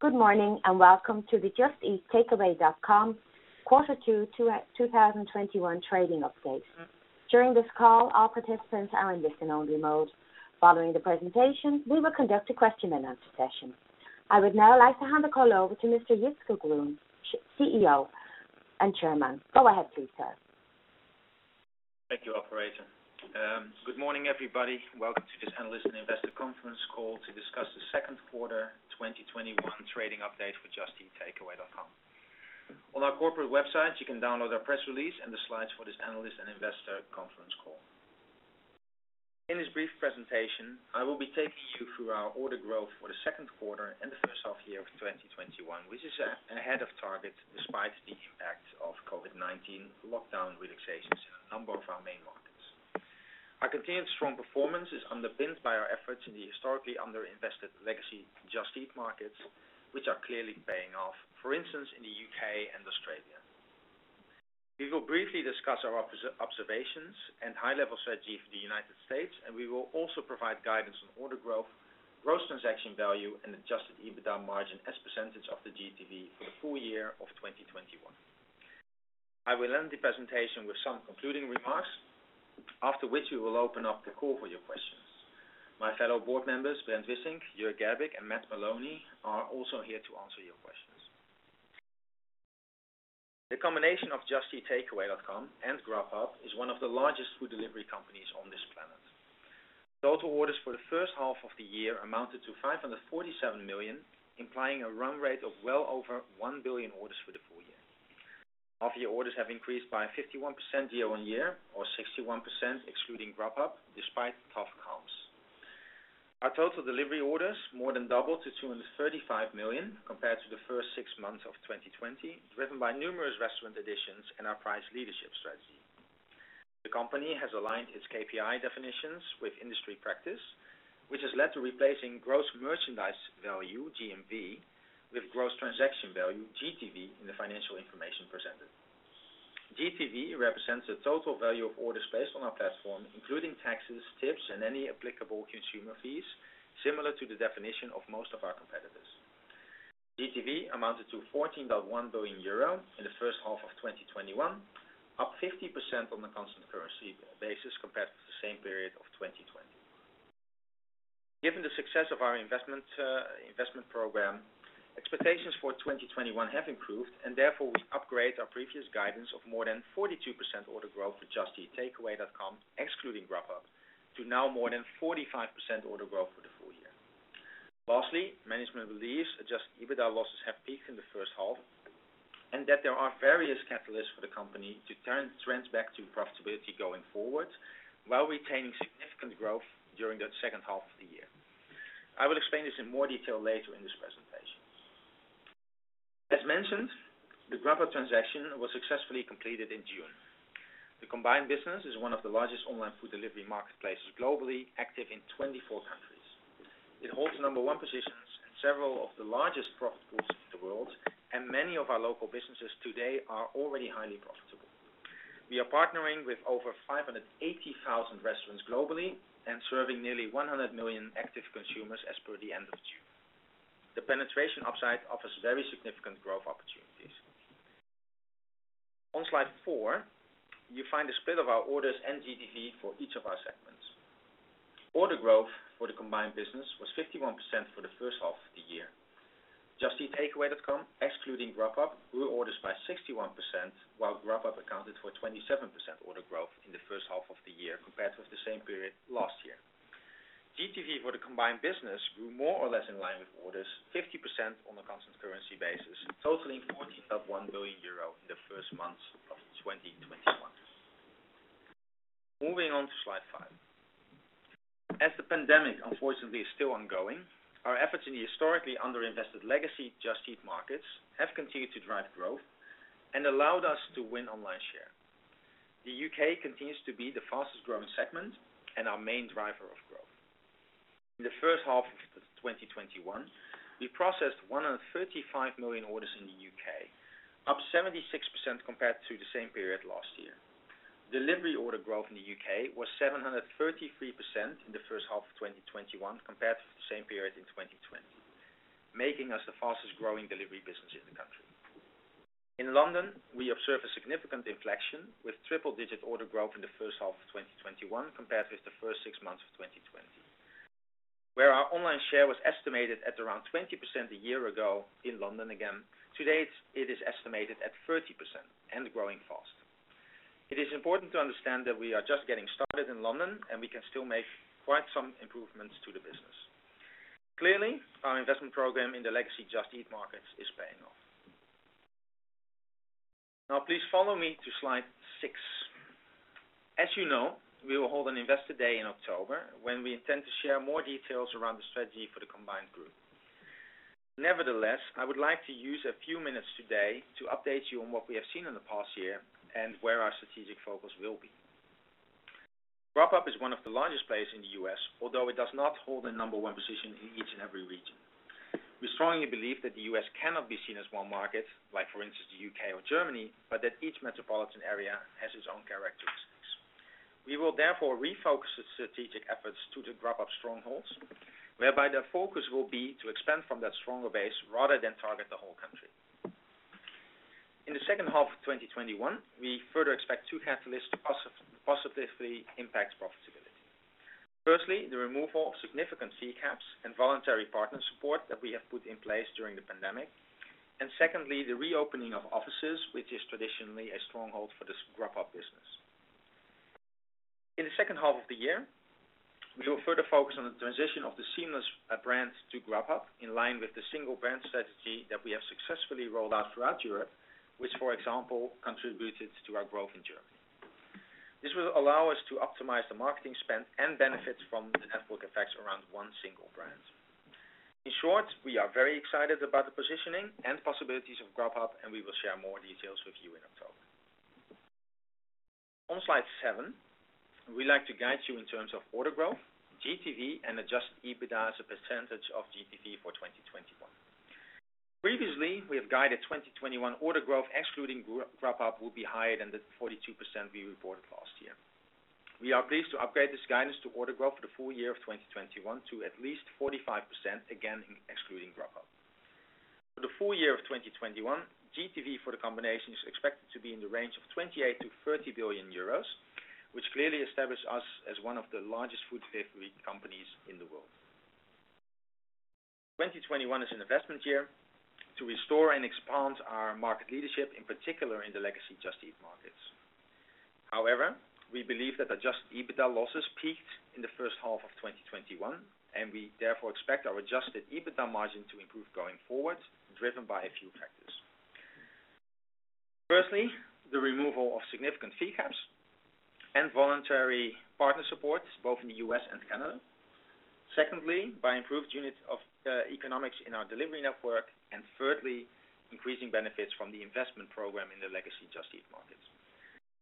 Good morning, welcome to the Just Eat Takeaway.com quarter two, 2021 trading update. During this call, all participants are in listen only mode. Following the presentation, we will conduct a question and answer session. I would now like to hand the call over to Mr. Jitse Groen, CEO and Chairman. Go ahead please, sir. Thank you, operator. Good morning, everybody. Welcome to this analyst and investor conference call to discuss the second quarter 2021 trading update for Just Eat Takeaway.com. On our corporate website, you can download our press release and the slides for this analyst and investor conference call. In this brief presentation, I will be taking you through our order growth for the second quarter and the first half year of 2021, which is ahead of target despite the impact of COVID-19 lockdown relaxations in a number of our main markets. Our continued strong performance is underpinned by our efforts in the historically under-invested legacy Just Eat markets, which are clearly paying off. For instance, in the U.K. and Australia. We will briefly discuss our observations and high level strategy for the U.S., and we will also provide guidance on order growth, gross transaction value, and adjusted EBITDA margin as percentage of the GTV for the full year of 2021. I will end the presentation with some concluding remarks, after which we will open up the call for your questions. My fellow board members, Brent Wissink, Jörg Gerbig, and Matt Maloney are also here to answer your questions. The combination of Just Eat Takeaway.com and Grubhub is one of the largest food delivery companies on this planet. Total orders for the first half of the year amounted to 547 million, implying a run rate of well over one billion orders for the full year. Half year orders have increased by 51% year-on-year, or 61% excluding Grubhub, despite tough comps. Our total delivery orders more than doubled to 235 million compared to the first six months of 2020, driven by numerous restaurant additions and our price leadership strategy. The company has aligned its KPI definitions with industry practice, which has led to replacing gross merchandise value, GMV, with gross transaction value, GTV, in the financial information presented. GTV represents the total value of orders based on our platform, including taxes, tips, and any applicable consumer fees, similar to the definition of most of our competitors. GTV amounted to 14.1 billion euro in the first half of 2021, up 50% on a constant currency basis compared to the same period of 2020. Given the success of our investment program, expectations for 2021 have improved, therefore we upgrade our previous guidance of more than 42% order growth for Just Eat Takeaway.com, excluding Grubhub, to now more than 45% order growth for the full year. Lastly, management believes adjusted EBITDA losses have peaked in the first half, that there are various catalysts for the company to turn trends back to profitability going forward while retaining significant growth during that second half of the year. I will explain this in more detail later in this presentation. As mentioned, the Grubhub transaction was successfully completed in June. The combined business is one of the largest online food delivery marketplaces globally, active in 24 countries. It holds number one positions in several of the largest profit pools in the world, many of our local businesses today are already highly profitable. We are partnering with over 580,000 restaurants globally and serving nearly 100 million active consumers as per the end of June. The penetration upside offers very significant growth opportunities. On slide four, you find a split of our orders and GTV for each of our segments. Order growth for the combined business was 51% for the first half of the year. Just Eat Takeaway.com, excluding Grubhub, grew orders by 61%, while Grubhub accounted for 27% order growth in the first half of the year compared with the same period last year. GTV for the combined business grew more or less in line with orders, 50% on a constant currency basis, totaling 14.1 billion euro in the first months of 2021. Moving on to slide five. As the pandemic, unfortunately, is still ongoing, our efforts in the historically under-invested legacy Just Eat markets have continued to drive growth and allowed us to win online share. The U.K. continues to be the fastest growing segment and our main driver of growth. In the first half of 2021, we processed 135 million orders in the U.K., up 76% compared to the same period last year. Delivery order growth in the U.K. was 733% in the first half of 2021 compared to the same period in 2020, making us the fastest growing delivery business in the country. In London, we observe a significant inflection with triple digit order growth in the first half of 2021 compared with the first six months of 2020, where our online share was estimated at around 20% a year ago in London again. Today, it is estimated at 30% and growing fast. It is important to understand that we are just getting started in London, and we can still make quite some improvements to the business. Clearly, our investment program in the legacy Just Eat markets is paying off. Please follow me to slide six. You know, we will hold an investor day in October when we intend to share more details around the strategy for the combined group. I would like to use a few minutes today to update you on what we have seen in the past year and where our strategic focus will be. Grubhub is one of the largest players in the U.S., although it does not hold a number one position in each and every region. Strongly believe that the U.S. cannot be seen as one market, like for instance, the U.K. or Germany, but that each metropolitan area has its own characteristics. We will therefore refocus strategic efforts to the Grubhub strongholds, whereby the focus will be to expand from that stronger base rather than target the whole country. In the second half of 2021, we further expect two catalysts to positively impact profitability. Firstly, the removal of significant fee caps and voluntary partner support that we have put in place during the pandemic, and secondly, the reopening of offices, which is traditionally a stronghold for this Grubhub business. In the second half of the year, we will further focus on the transition of the Seamless brand to Grubhub, in line with the one single brand strategy that we have successfully rolled out throughout Europe, which, for example, contributed to our growth in Germany. This will allow us to optimize the marketing spend and benefits from the network effects around one single brand. In short, we are very excited about the positioning and possibilities of Grubhub. We will share more details with you in October. On slide seven, we'd like to guide you in terms of order growth, GTV, and adjusted EBITDA as a percentage of GTV for 2021. Previously, we have guided 2021 order growth, excluding Grubhub, would be higher than the 42% we reported last year. We are pleased to update this guidance to order growth for the full year of 2021 to at least 45%, again, excluding Grubhub. For the full year of 2021, GTV for the combination is expected to be in the range of 28 billion-30 billion euros, which clearly establishes us as one of the largest food delivery companies in the world. 2021 is an investment year to restore and expand our market leadership, in particular in the legacy Just Eat markets. However, we believe that adjusted EBITDA losses peaked in the first half of 2021, and we therefore expect our adjusted EBITDA margin to improve going forward, driven by a few factors. Firstly, the removal of significant fee caps and voluntary partner support, both in the US and Canada. Secondly, by improved unit economics in our delivery network, and thirdly, increasing benefits from the investment program in the legacy Just Eat markets.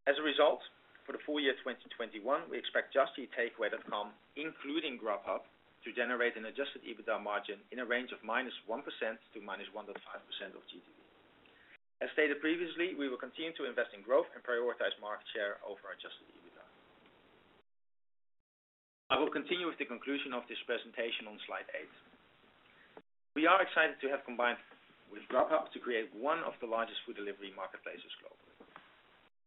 As a result, for the full year 2021, we expect Just Eat Takeaway.com, including Grubhub, to generate an adjusted EBITDA margin in a range of -1% to -1.5% of GTV. As stated previously, we will continue to invest in growth and prioritize market share over adjusted EBITDA. I will continue with the conclusion of this presentation on slide 8. We are excited to have combined with Grubhub to create one of the largest food delivery marketplaces globally.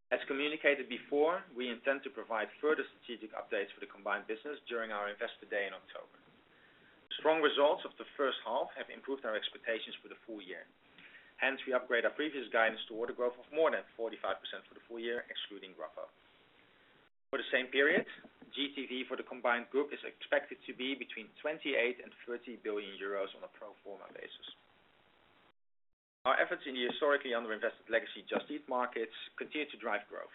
As communicated before, we intend to provide further strategic updates for the combined business during our Investor Day in October. Strong results of the first half have improved our expectations for the full year. We upgrade our previous guidance to order growth of more than 45% for the full year, excluding Grubhub. For the same period, GTV for the combined group is expected to be between 28 billion and 30 billion euros on a pro forma basis. Our efforts in the historically underinvested legacy Just Eat markets continue to drive growth.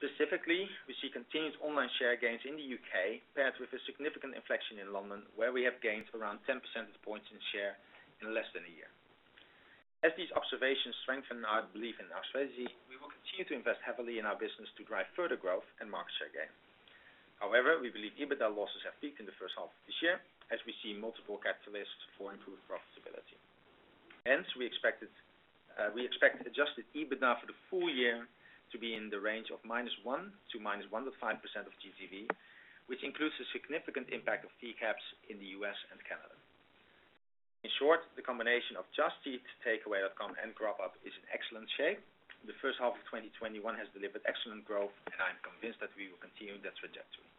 Specifically, we see continued online share gains in the U.K., paired with a significant inflection in London, where we have gained around 10 percentage points in share in less than a year. These observations strengthen our belief in our strategy. We will continue to invest heavily in our business to drive further growth and market share gain. However, we believe EBITDA losses have peaked in the 1st half of this year as we see multiple catalysts for improved profitability. Hence, we expect adjusted EBITDA for the full year to be in the range of -1% to -1.5% of GTV, which includes the significant impact of fee caps in the U.S. and Canada. In short, the combination of Just Eat Takeaway.com and Grubhub is in excellent shape. The first half of 2021 has delivered excellent growth, and I am convinced that we will continue that trajectory.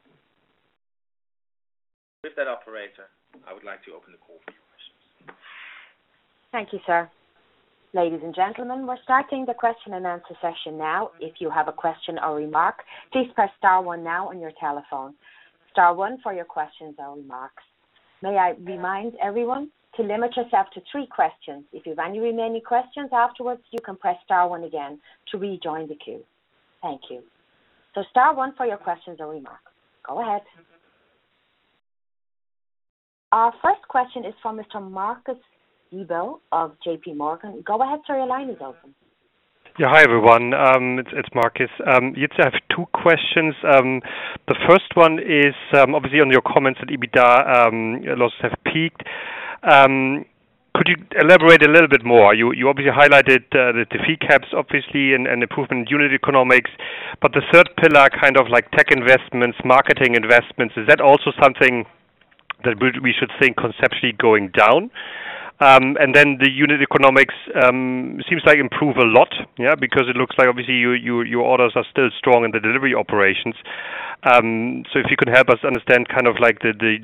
With that, operator, I would like to open the call for your questions. Thank you, sir. Ladies and gentlemen, we're starting the question and answer session now. If you have a question or remark, please press star one now on your telephone. Star one for your questions or remarks. May I remind everyone to limit yourself to three questions. If you have any remaining questions afterwards, you can press star one again to rejoin the queue. Thank you. Star one for your questions or remarks. Go ahead. Our first question is from Mr. Marcus Diebel of JP Morgan. Go ahead, sir. Your line is open. Yeah. Hi, everyone. It's Marcus. You have two questions. The first one is obviously on your comments that EBITDA losses have peaked. Could you elaborate a little bit more? You obviously highlighted the fee caps, obviously, and improvement in unit economics, but the third pillar, tech investments, marketing investments, is that also something that we should think conceptually going down? The unit economics seems like improved a lot. Yeah, because it looks like obviously your orders are still strong in the delivery operations. If you could help us understand the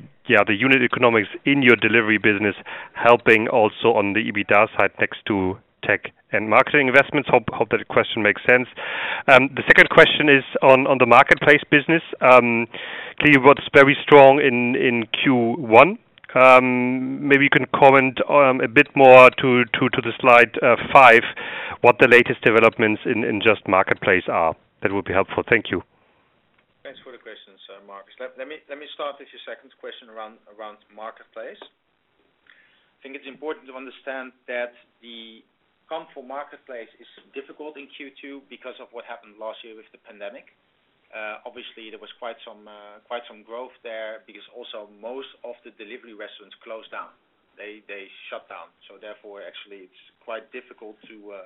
unit economics in your delivery business helping also on the EBITDA side next to tech and marketing investments. Hope that question makes sense. The second question is on the marketplace business. Clearly what's very strong in Q1. Maybe you can comment a bit more to the slide five, what the latest developments in Just marketplace are. That would be helpful. Thank you. Thanks for the questions, Marcus. Let me start with your second question around the marketplace. I think it's important to understand that the marketplace is difficult in Q2 because of what happened last year with the pandemic. Obviously, there was quite some growth there because also most of the delivery restaurants closed down. They shut down. Therefore, actually, it's quite difficult to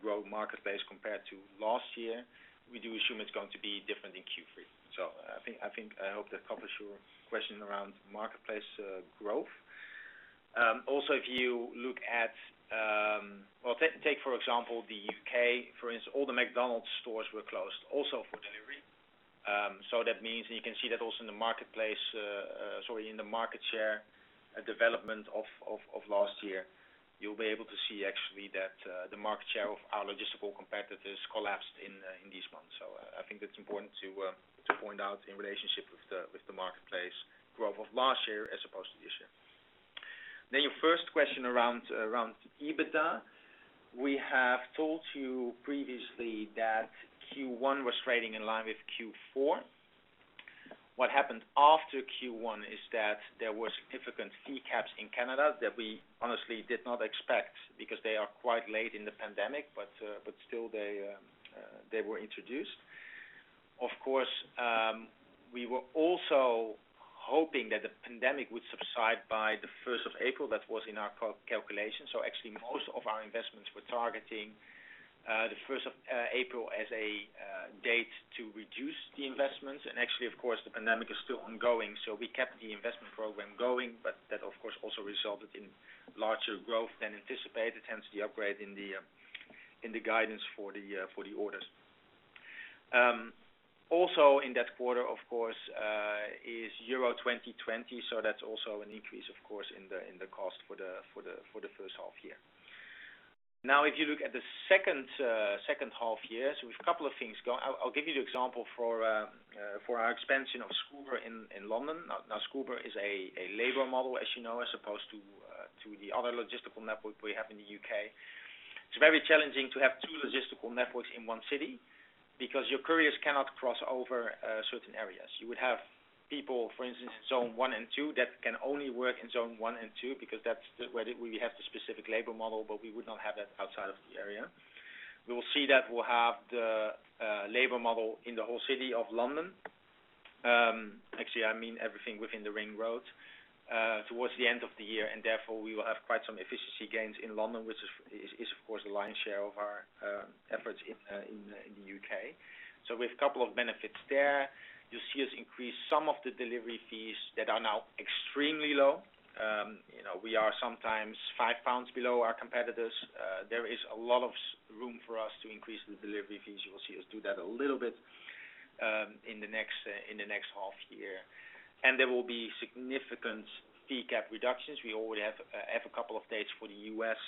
grow marketplace compared to last year. We do assume it's going to be different in Q3. I hope that covers your question around marketplace growth. If you look at-- well, take, for example, the U.K., for instance, all the McDonald's stores were closed also for delivery. That means you can see that also in the marketplace, sorry, in the market share development of last year, you'll be able to see actually that the market share of our logistical competitors collapsed in these months. I think that's important to point out in relationship with the marketplace growth of last year as opposed to this year. Now, your first question around EBITDA. We have told you previously that Q1 was trading in line with Q4. What happened after Q1 is that there were significant fee caps in Canada that we honestly did not expect because they are quite late in the pandemic, but still, they were introduced. Of course, we were also hoping that the pandemic would subside by the 1st of April. That was in our calculations. Actually, most of our investments were targeting the 1st of April as a date to reduce the investments. Actually, of course, the pandemic is still ongoing, so we kept the investment program going, but that, of course, also resulted in larger growth than anticipated, hence the upgrade in the guidance for the orders. Also in that quarter, of course, is Euro 2020. That's also an increase, of course, in the cost for the first half year. If you look at the second half year, we've a couple of things. I'll give you the example for our expansion of Scoober in London. Scoober is a labor model, as you know, as opposed to the other logistical network we have in the U.K. It's very challenging to have two logistical networks in one city because your couriers cannot cross over certain areas. You would have people, for instance, zone one and two that can only work in zone one and two because that's where we have the specific labor model, but we would not have that outside of the area. We'll see that we'll have the labor model in the whole City of London. Actually, I mean everything within the ring roads towards the end of the year, therefore we will have quite some efficiency gains in London, which is of course the lion's share of our efforts in the U.K. We have a couple of benefits there. You'll see us increase some of the delivery fees that are now extremely low. We are sometimes £5 below our competitors. There is a lot of room for us to increase the delivery fees. You will see us do that a little bit in the next half year. There will be significant fee cap reductions. We already have a couple of dates for the U.S.,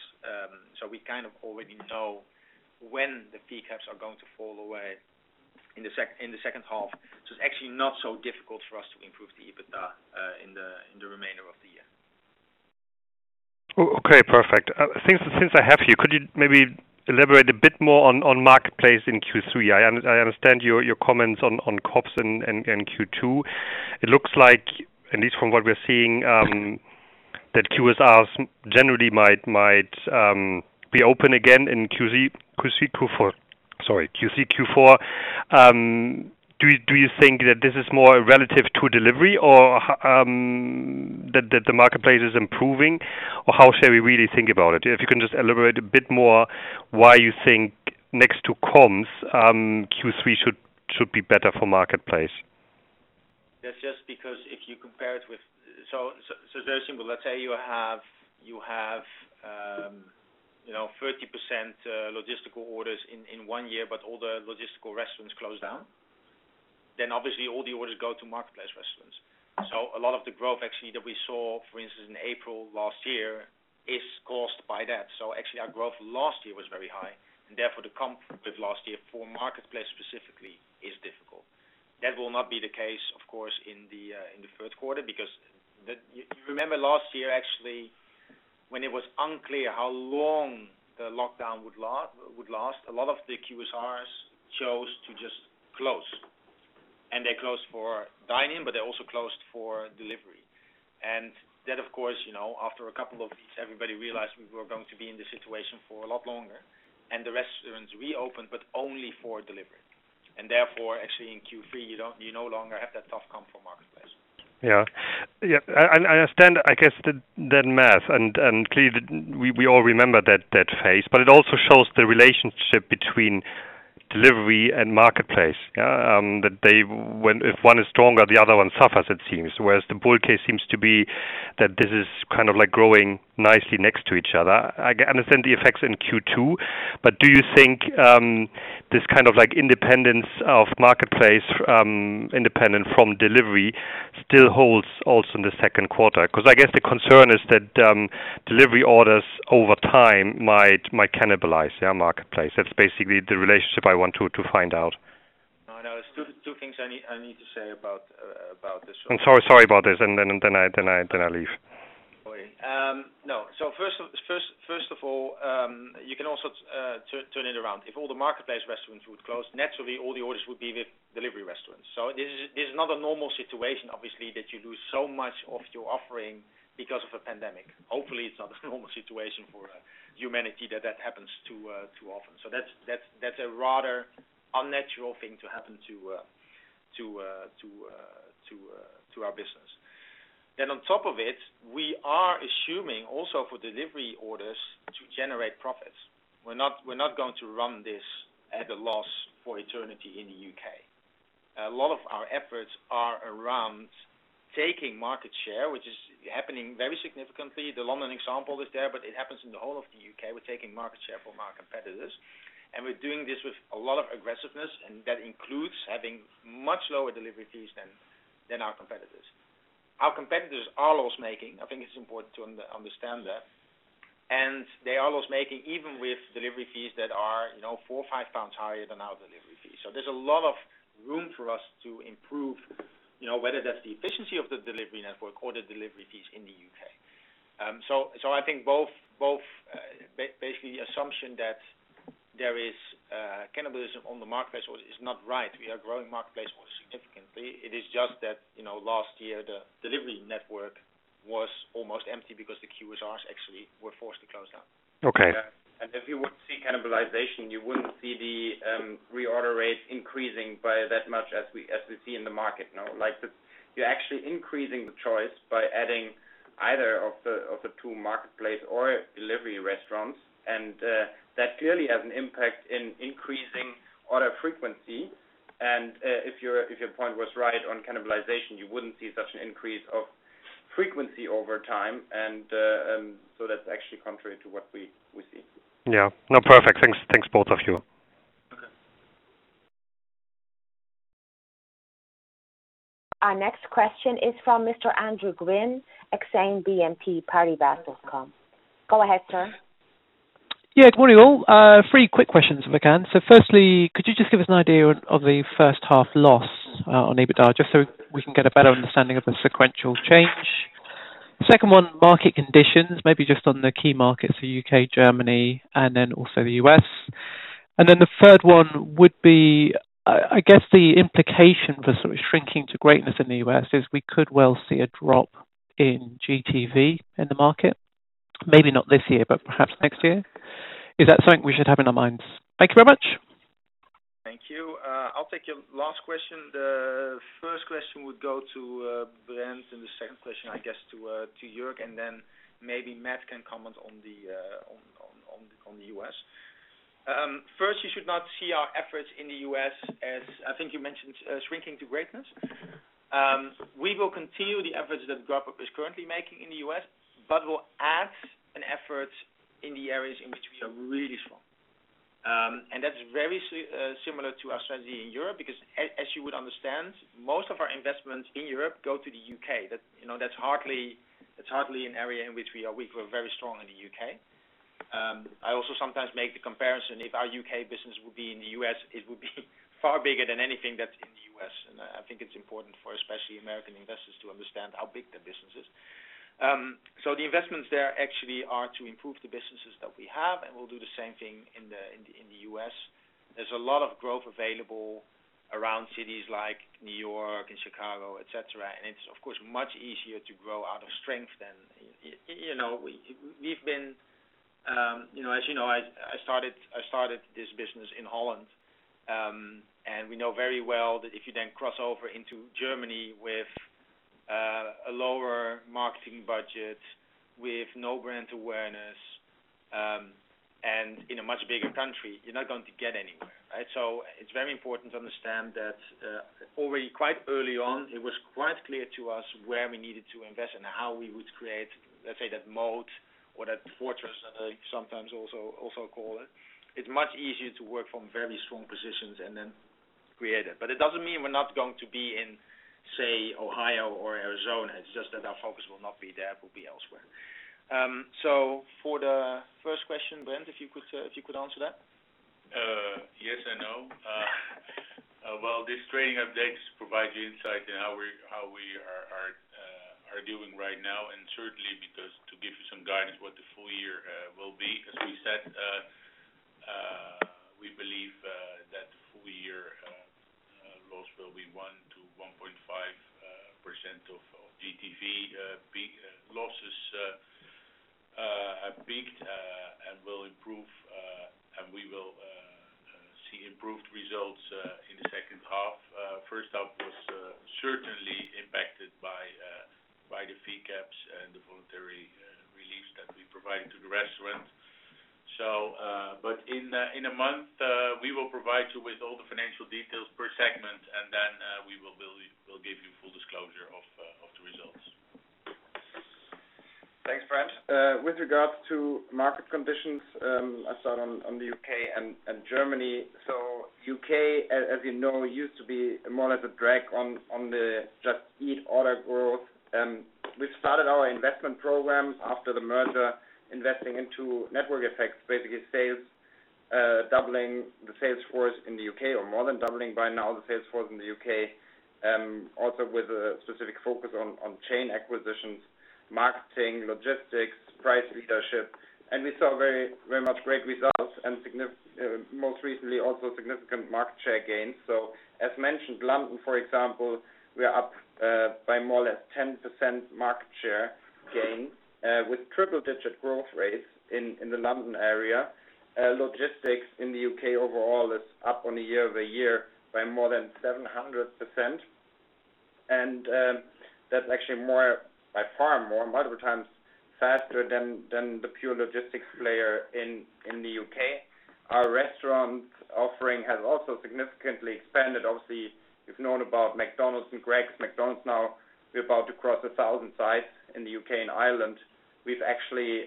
we kind of already know when the fee caps are going to fall away in the second half. It's actually not so difficult for us to improve the EBITDA in the remainder of the year. Okay, perfect. Since I have you, could you maybe elaborate a bit more on Marketplace in Q3? I understand your comments on comps and Q2. It looks like, at least from what we're seeing, that QSRs generally might be open again in Q3, Q4. Do you think that this is more relative to delivery or that the Marketplace is improving? How should we really think about it? If you can just elaborate a bit more why you think next to comps, Q3 should be better for Marketplace. That's just because if you compare it with they're similar. Let's say you have 30% logistical orders in one year, but all the logistical restaurants close down, then obviously all the orders go to Marketplace restaurants. A lot of the growth actually that we saw, for instance, in April last year is caused by that. Actually, our growth last year was very high, and therefore the comp with last year for Marketplace specifically is difficult. That will not be the case, of course, in the third quarter, because remember last year, actually, when it was unclear how long the lockdown would last, a lot of the QSRs chose to just close, and they closed for dining, but they also closed for delivery. Of course, after a couple of weeks, everybody realized we were going to be in this situation for a lot longer, and the restaurants reopened, but only for delivery. Therefore, actually in Q3, you no longer have that tough comp for Marketplace. I understand, I guess, that math, and clearly, we all remember that phase, but it also shows the relationship between delivery and Marketplace, that if one is stronger, the other one suffers, it seems. The bull case seems to be that this is kind of growing nicely next to each other. I understand the effects in Q2, but do you think this kind of independence of Marketplace, independent from delivery, still holds also in the second quarter? I guess the concern is that delivery orders over time might cannibalize their Marketplace. That's basically the relationship I want to find out. No, there's two things I need to say about this one. I'm so sorry about this, and then I leave. First of all, you can also turn it around. If all the marketplace restaurants would close, naturally all the orders would be with delivery restaurants. This is not a normal situation, obviously, that you lose so much of your offering because of a pandemic. Hopefully, it's not a normal situation for humanity that happens too often. That's a rather unnatural thing to happen to our business. On top of it, we are assuming also for delivery orders to generate profits. We're not going to run this at a loss for eternity in the U.K. A lot of our efforts are around taking market share, which is happening very significantly. The London example is there, but it happens in the whole of the U.K. We're taking market share from our competitors, and we're doing this with a lot of aggressiveness, and that includes having much lower delivery fees than our competitors. Our competitors are loss-making. I think it's important to understand that. They are loss-making even with delivery fees that are 4 or 5 pounds higher than our delivery fees. There's a lot of room for us to improve, whether that's the efficiency of the delivery network or the delivery fees in the U.K. I think basically the assumption that there is cannibalism on the marketplace is not right. We are growing marketplace significantly. It is just that last year, the delivery network was almost empty because the QSRs actually were forced to close down. Okay. If you would see cannibalization, you wouldn't see the reorder rate increasing by that much as we see in the market now. You're actually increasing the choice by adding either of the two marketplace or delivery restaurants, and that clearly has an impact in increasing order frequency. If your point was right on cannibalization, you wouldn't see such an increase of frequency over time. That's actually contrary to what we see. Yeah. No, perfect. Thanks, both of you. Okay. Our next question is from Mr. Andrew Gwynn, Exane BNP Paribas. Go ahead, sir. Yeah. Good morning, all. Three quick questions if I can. Firstly, could you just give us an idea of the first half loss on EBITDA, just so we can get a better understanding of the sequential change? Second one, market conditions, maybe just on the key markets, the U.K., Germany, and also the U.S. The third one would be, I guess the implication for sort of shrinking to greatness in the U.S. is we could well see a drop in GTV in the market, maybe not this year, but perhaps next year. Is that something we should have in our minds? Thank you very much. Thank you. I'll take your last question. The first question would go to Brent, the second question, I guess, to Jörg, then maybe Matt can comment on the U.S. First, you should not see our efforts in the U.S. as, I think you mentioned, shrinking to greatness. We will continue the efforts that Grubhub is currently making in the U.S., but we'll add an effort in the areas in which we are really strong. That's very similar to our strategy in Europe because, as you would understand, most of our investments in Europe go to the U.K. That's hardly an area in which we are weak. We're very strong in the U.K. I also sometimes make the comparison, if our U.K. business would be in the U.S., it would be far bigger than anything that's in the U.S. I think it's important for especially American investors to understand how big that business is. The investments there actually are to improve the businesses that we have, and we'll do the same thing in the U.S. There's a lot of growth available around cities like New York and Chicago, et cetera. It's, of course, much easier to grow out of strength. As you know, I started this business in Holland. We know very well that if you then cross over into Germany with a lower marketing budget, with no brand awareness, and in a much bigger country, you're not going to get anywhere, right? It's very important to understand that already quite early on, it was quite clear to us where we needed to invest and how we would create, let's say, that moat or that fortress as I sometimes also call it. It's much easier to work from very strong positions and then create it. It doesn't mean we're not going to be in, say, Ohio or Arizona. It's just that our focus will not be there, it will be elsewhere. For the first question, Brent, if you could answer that. Yes and no. Well, this trading update provides you insight in how we are doing right now, and certainly because to give you some guidance what the full year will be, as we said, we believe that full year loss will be 1% to 1.5% of GTV. Peak losses have peaked, and we will see improved results in the second half. First half was certainly impacted by the fee caps and the voluntary reliefs that we provide to the restaurant. In a month, we will provide you with all the financial details per segment, and then we'll give you full disclosure of the results. Thanks, Brent. With regards to market conditions, I start on the U.K. and Germany. U.K., as you know, used to be more as a drag on the Just Eat order growth. We've started our investment programs after the merger, investing into network effects. Doubling the sales force in the U.K. or more than doubling by now the sales force in the U.K., also with a specific focus on chain acquisitions, marketing, logistics, price leadership. We saw very much great results and most recently, also significant market share gains. As mentioned, London, for example, we are up by more or less 10% market share gain with triple digit growth rates in the London area. Logistics in the U.K. overall is up on a year-over-year by more than 700%. That's actually by far more, multiple times faster than the pure logistics player in the U.K. Our restaurant offering has also significantly expanded. Obviously, you've known about McDonald's and Greggs. McDonald's now, we're about to cross 1,000 sites in the U.K. and Ireland. We've actually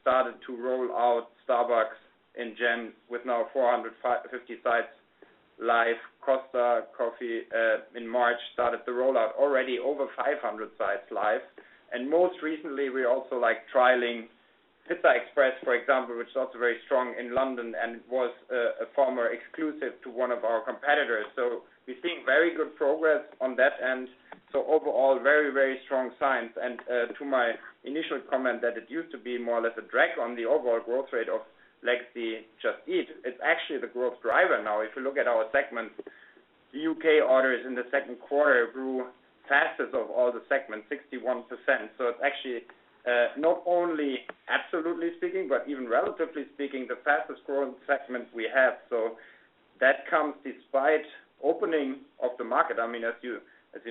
started to roll out Starbucks in January with now 450 sites live. Costa Coffee, in March, started the rollout already over 500 sites live. Most recently, we're also trialing PizzaExpress, for example, which is also very strong in London and was a former exclusive to one of our competitors. We're seeing very good progress on that end. Overall, very, very strong signs. To my initial comment that it used to be more or less a drag on the overall growth rate of legacy Just Eat. It's actually the growth driver now. If you look at our segments, the U.K. orders in the second quarter grew fastest of all the segments, 61%. It's actually, not only absolutely speaking, but even relatively speaking, the fastest growing segment we have. That comes despite opening of the market. As you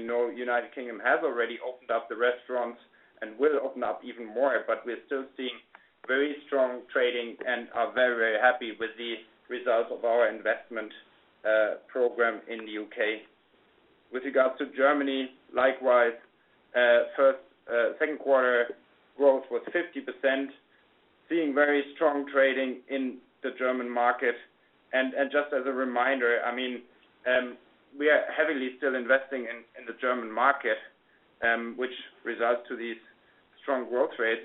know, U.K. has already opened up the restaurants and will open up even more. We're still seeing very strong trading and are very, very happy with the results of our investment program in the U.K. With regards to Germany, likewise, second quarter growth was 50%, seeing very strong trading in the German market. Just as a reminder, we are heavily still investing in the German market, which results to these strong growth rates.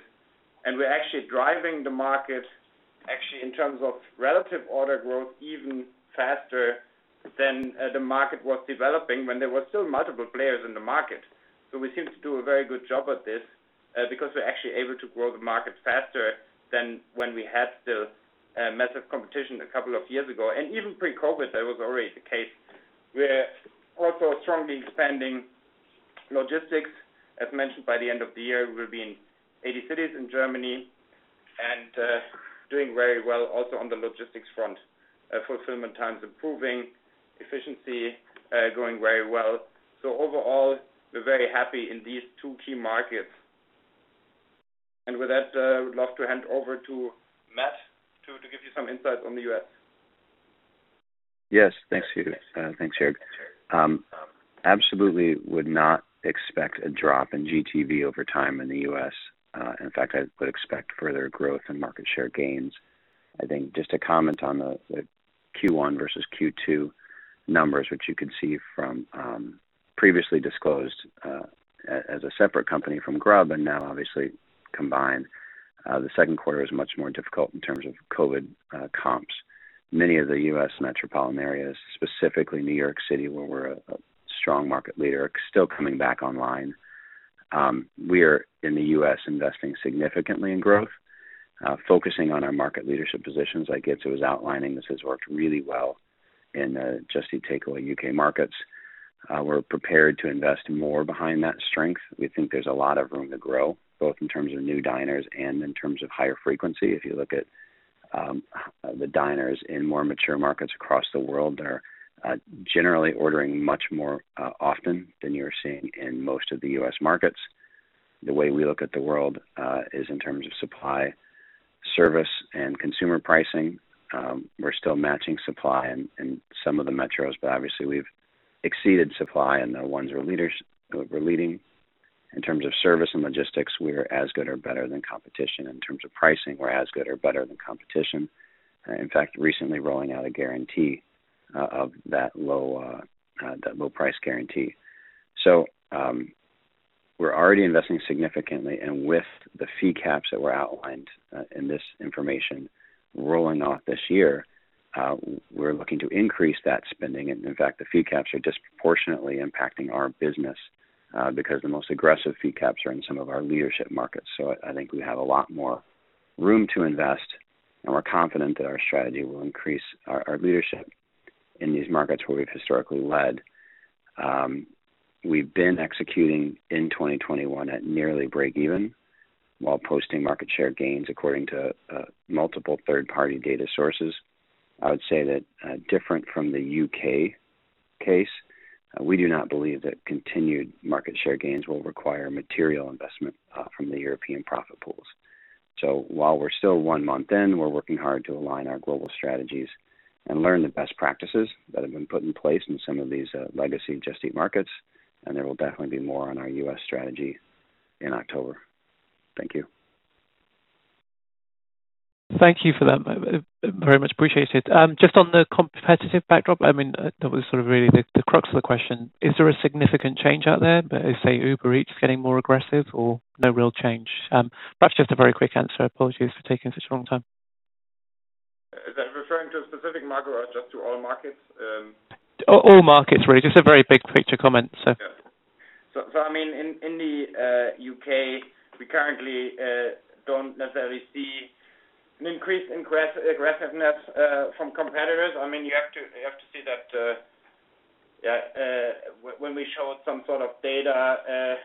We're actually driving the market, in terms of relative order growth even faster than the market was developing when there were still multiple players in the market. We seem to do a very good job at this, because we're actually able to grow the market faster than when we had still massive competition a couple of years ago. Even pre-COVID, that was already the case. We're also strongly expanding logistics. As mentioned, by the end of the year, we will be in 80 cities in Germany and doing very well also on the logistics front. Fulfillment times improving, efficiency going very well. Overall, we're very happy in these two key markets. With that, I would love to hand over to Matt to give you some insights on the U.S. Yes. Thanks, Jörg. Absolutely would not expect a drop in GTV over time in the U.S. In fact, I would expect further growth and market share gains. I think just to comment on the Q1 versus Q2 numbers, which you can see from previously disclosed as a separate company from Grubhub and now obviously combined. The second quarter is much more difficult in terms of COVID comps. Many of the U.S. metropolitan areas, specifically New York City, where we're a strong market leader, are still coming back online. We're in the U.S. investing significantly in growth, focusing on our market leadership positions. Like Jitse Groen was outlining, this has worked really well in the Just Eat Takeaway U.K. markets. We're prepared to invest more behind that strength. We think there's a lot of room to grow, both in terms of new diners and in terms of higher frequency. If you look at the diners in more mature markets across the world that are generally ordering much more often than you're seeing in most of the U.S. markets. The way we look at the world is in terms of supply, service, and consumer pricing. We're still matching supply in some of the metros, but obviously we've exceeded supply in the ones we're leading. In terms of service and logistics, we're as good or better than competition. In terms of pricing, we're as good or better than competition. In fact, recently rolling out a guarantee of that low price guarantee. We're already investing significantly, and with the fee caps that were outlined in this information rolling off this year, we're looking to increase that spending. In fact, the fee caps are disproportionately impacting our business, because the most aggressive fee caps are in some of our leadership markets. I think we have a lot more room to invest, and we're confident that our strategy will increase our leadership in these markets where we've historically led. We've been executing in 2021 at nearly breakeven while posting market share gains according to multiple third-party data sources. I would say that different from the U.K. case, we do not believe that continued market share gains will require material investment from the European profit pools. While we're still one month in, we're working hard to align our global strategies and learn the best practices that have been put in place in some of these legacy Just Eat markets, and there will definitely be more on our U.S. strategy in October. Thank you. Thank you for that. Very much appreciate it. Just on the competitive backdrop, that was sort of really the crux of the question. Is there a significant change out there? Is, say, Uber Eats getting more aggressive or no real change? Perhaps just a very quick answer. Apologies for taking such a long time. Referring to a specific market or just to all markets? All markets, really. Just a very big picture comment. Yeah. In the U.K., we currently don't necessarily see an increase in aggressiveness from competitors. You have to see that, when we showed some sort of data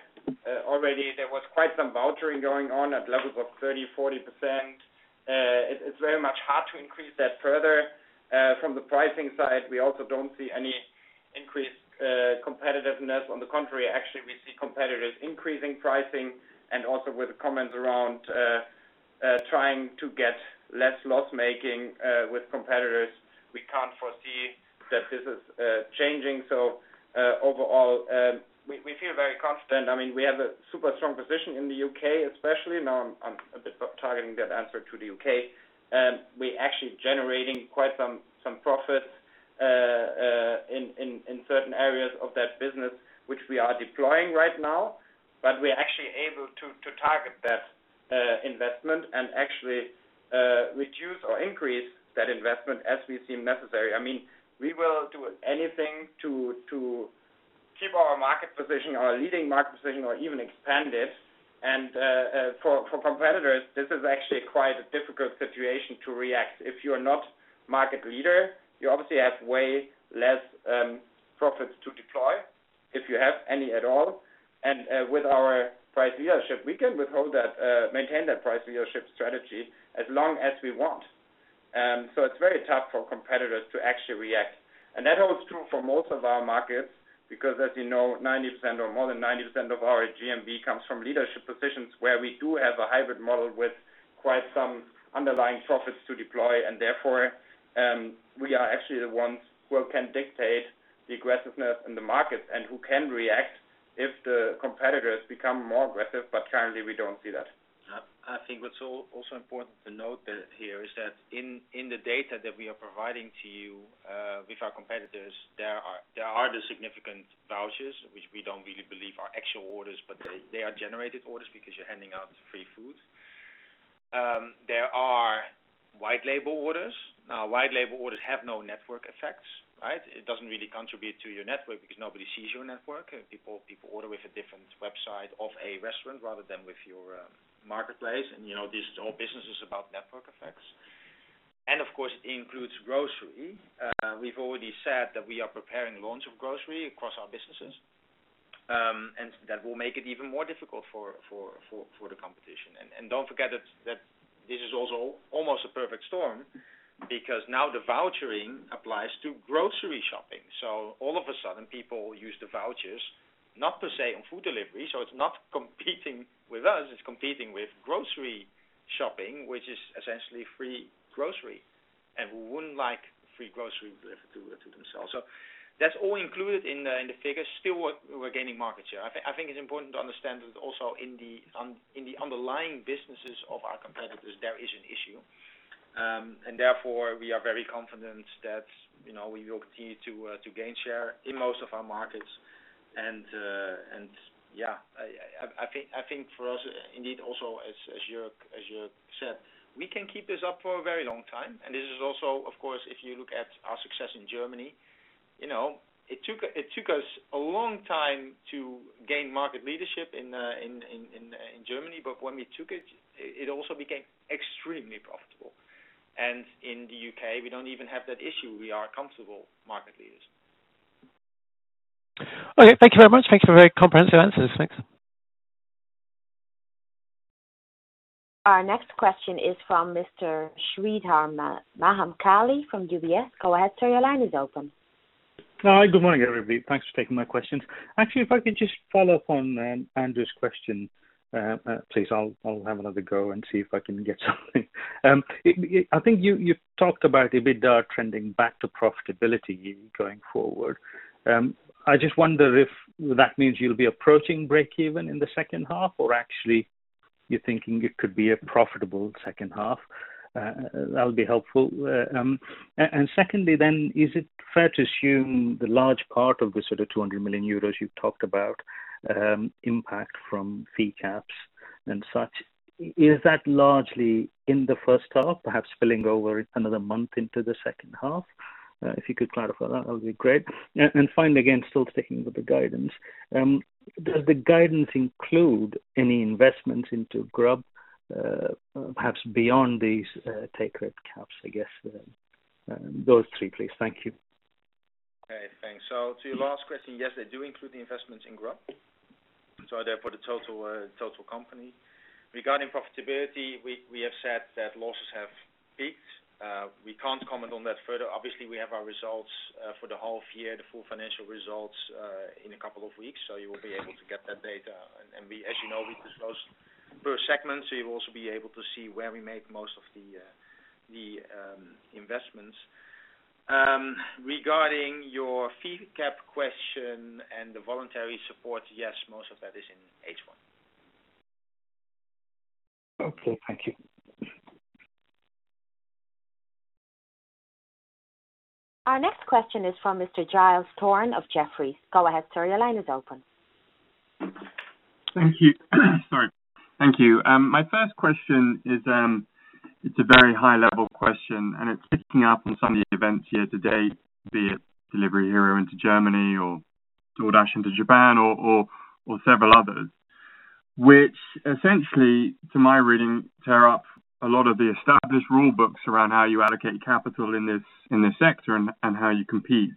already, there was quite some vouchering going on at levels of 30%, 40%. It's very much hard to increase that further. From the pricing side, we also don't see any increased competitiveness. On the contrary, actually, we see competitors increasing pricing, and also with the comments around trying to get less loss-making with competitors. We can't foresee that this is changing. Overall, we feel very confident. We have a super strong position in the U.K., especially. Now I'm a bit targeting that answer to the U.K. We're actually generating quite some profit in certain areas of that business, which we are deploying right now. We're actually able to target that investment and actually reduce or increase that investment as we see necessary. We will do anything to keep our market position, our leading market position, or even expand it. For competitors, this is actually quite a difficult situation to react. If you are not market leader, you obviously have way less profits to deploy, if you have any at all. With our price leadership, we can maintain that price leadership strategy as long as we want. It's very tough for competitors to actually react. That holds true for most of our markets, because as you know, 90% or more than 90% of our GMV comes from leadership positions where we do have a hybrid model with quite some underlying profits to deploy. Therefore, we are actually the ones who can dictate the aggressiveness in the market and who can react if the competitors become more aggressive. Currently, we don't see that. I think what's also important to note here is that in the data that we are providing to you with our competitors, there are the significant vouchers, which we don't really believe are actual orders, but they are generated orders because you're handing out free food. There are white label orders. White label orders have no network effects, right? It doesn't really contribute to your network because nobody sees your network. People order with a different website of a restaurant rather than with your marketplace. This whole business is about network effects. Of course, it includes grocery. We've already said that we are preparing launch of grocery across our businesses. That will make it even more difficult for the competition. Don't forget that this is also almost a perfect storm because now the vouchering applies to grocery shopping. All of a sudden, people use the vouchers, not per se on food delivery. It's not competing with us, it's competing with grocery shopping, which is essentially free grocery, and who wouldn't like free grocery delivered to themselves? That's all included in the figures. Still, we're gaining market share. I think it's important to understand that also in the underlying businesses of our competitors, there is an issue. Therefore, we are very confident that we will continue to gain share in most of our markets. Yeah, I think for us, indeed, also as Jrg said, we can keep this up for a very long time. This is also, of course, if you look at our success in Germany, it took us a long time to gain market leadership in Germany. When we took it also became extremely profitable. In the U.K., we don't even have that issue. We are comfortable market leaders. Okay. Thank you very much. Thank you for very comprehensive answers. Thanks. Our next question is from Mr. Sreedhar Mahamkali from UBS. Go ahead, sir. Your line is open. Hi. Good morning, everybody. Thanks for taking my questions. If I could just follow up on Andrew Gwynn's question, please. I'll have another go and see if I can get something. I think you talked about EBITDA trending back to profitability going forward. I just wonder if that means you'll be approaching breakeven in the second half, or actually, you're thinking it could be a profitable second half. That'll be helpful. Secondly then, is it fair to assume the large part of the sort of 200 million euros you've talked about impact from fee caps and such, is that largely in the first half, perhaps spilling over 1 month into the second half? If you could clarify that would be great. Finally, again, still sticking with the guidance. Does the guidance include any investment into Grubhub, perhaps beyond these take rate caps, I guess. Those three, please. Thank you. Okay, thanks. To your last question, yes, they do include the investment in Grubhub, therefore, the total company. Regarding profitability, we have said that losses have peaked. We can't comment on that further. We have our results for the half year, the full financial results, in two weeks. You will be able to get that data. As you know, we disclose per segment. You will also be able to see where we make most of the investments. Regarding your fee cap question and the voluntary support, yes, most of that is in H1. Okay. Thank you. Our next question is from Mr. Giles Thorne of Jefferies. Go ahead, sir. Your line is open. Thank you. Sorry. Thank you. My first question, it's a very high-level question, and it's picking up on some of the events here today, be it Delivery Hero into Germany or DoorDash into Japan or several others, which essentially, to my reading, tear up a lot of the established rule books around how you allocate capital in this sector and how you compete.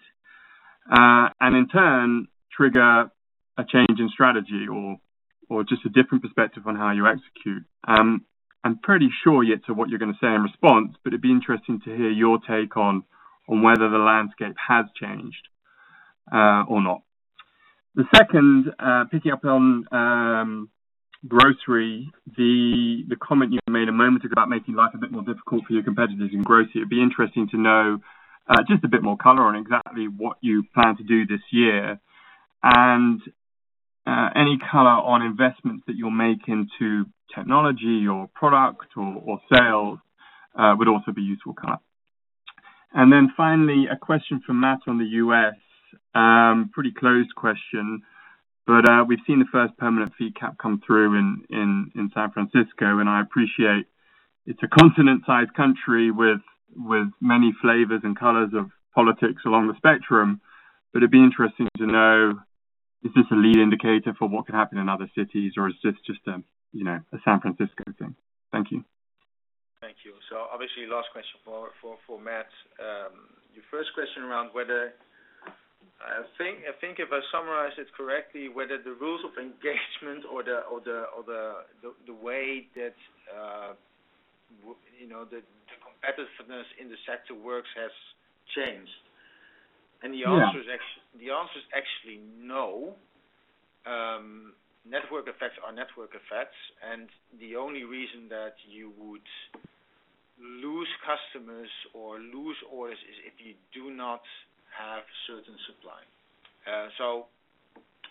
In turn, trigger a change in strategy or just a different perspective on how you execute. I'm pretty sure yet to what you're going to say in response, it'd be interesting to hear your take on whether the landscape has changed or not. The second, picking up on grocery, the comment you made a moment ago about making life a bit more difficult for your competitors in grocery. It'd be interesting to know just a bit more color on exactly what you plan to do this year, and any color on investments that you'll make into technology or product or sales would also be useful color. Finally, a question from Matt on the U.S. Pretty closed question, we've seen the first permanent fee cap come through in San Francisco, and I appreciate it's a continent-sized country with many flavors and colors of politics along the spectrum. It'd be interesting to know, is this a lead indicator for what could happen in other cities, or is this just a San Francisco thing? Thank you. Thank you. Obviously, last question for Matt. Your first question around whether I think if I summarize it correctly, whether the rules of engagement or the way that the competitiveness in the sector works has changed. Yeah. The answer is actually no. Network effects are network effects, and the only reason that you would lose customers or lose orders is if you do not have certain supply.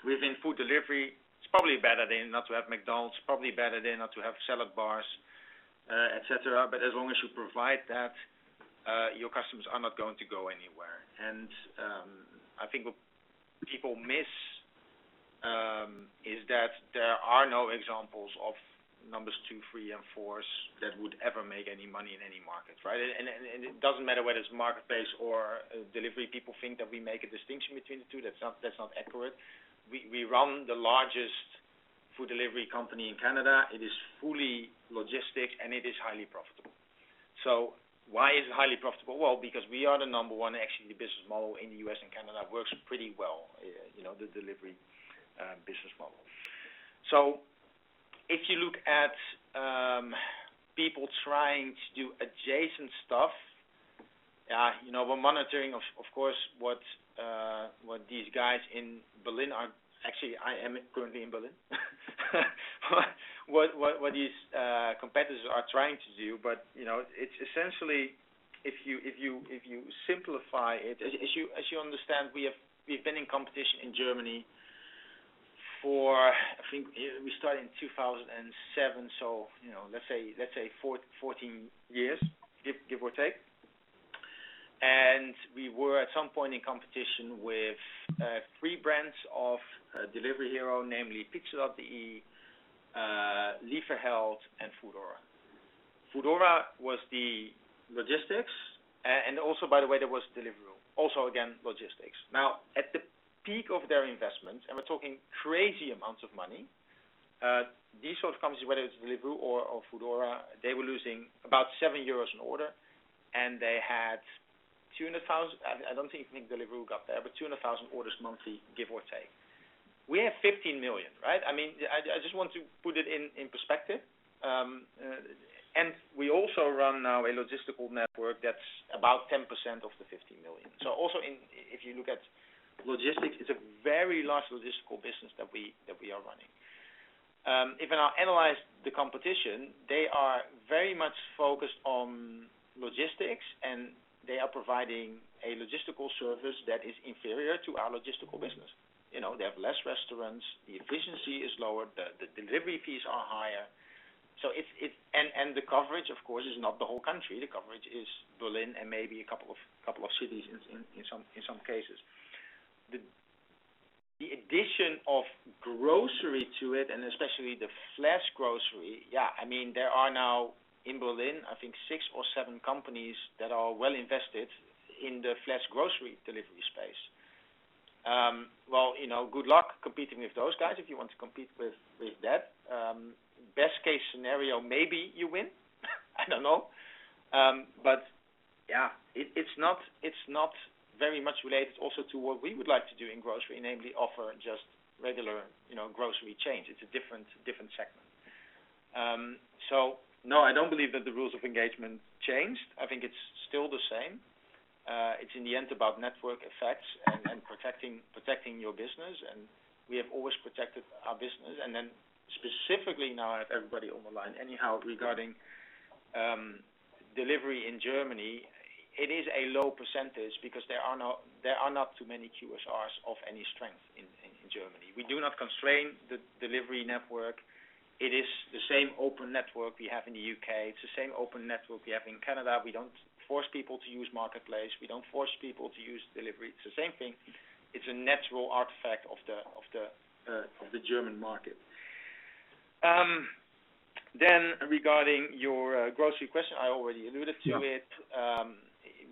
Within food delivery, it's probably a bad idea not to have McDonald's, probably a bad idea not to have salad bars, et cetera. As long as you provide that, your customers are not going to go anywhere. I think what people miss is that there are no examples of numbers two, three, and fours that would ever make any money in any market, right? It doesn't matter whether it's marketplace or delivery. People think that we make a distinction between the two. That's not accurate. We run the largest food delivery company in Canada. It is fully logistic, and it is highly profitable. Why is it highly profitable? Because we are the number one, actually, the business model in the U.S. and Canada works pretty well, the delivery business model. If you look at people trying to do adjacent stuff, we're monitoring, of course, what these competitors are trying to do, but it's essentially, if you simplify it, as you understand, we've been in competition in Germany for, I think we started in 2007, so let's say 14 years, give or take. We were at some point in competition with three brands of Delivery Hero, namely Pizza.de, Lieferheld, and Foodora. Foodora was the logistics, and also, by the way, there was Deliveroo. Also, again, logistics. At the peak of their investment, we're talking crazy amounts of money, these sort of companies, whether it's Deliveroo or Foodora, they were losing about 7 euros an order. They had 200,000, I don't think Deliveroo got there, but 200,000 orders monthly, give or take. We have 15 million, right? I just want to put it in perspective. We also run now a logistical network that's about 10% of the 15 million. Also if you look at logistics, it's a very large logistical business that we are running. If I now analyze the competition, they are very much focused on logistics, they are providing a logistical service that is inferior to our logistical business. They have less restaurants, the efficiency is lower, the delivery fees are higher. The coverage, of course, is not the whole country. The coverage is Berlin and maybe a couple of cities in some cases. The addition of grocery to it, and especially the flash grocery, there are now in Berlin, I think six or seven companies that are well invested in the flash grocery delivery space. Good luck competing with those guys if you want to compete with that. Best case scenario, maybe you win. I don't know. It's not very much related also to what we would like to do in grocery, namely offer just regular grocery chains. It's a different segment. No, I don't believe that the rules of engagement changed. I think it's still the same. It's in the end about network effects and protecting your business, and we have always protected our business. Specifically now I have everybody on the line anyhow regarding delivery in Germany. It is a low percentage because there are not too many QSRs of any strength in Germany. We do not constrain the delivery network. It is the same open network we have in the U.K. It's the same open network we have in Canada. We don't force people to use Marketplace. We don't force people to use delivery. It's the same thing. It's a natural artifact of the German market. Regarding your grocery question, I already alluded to it.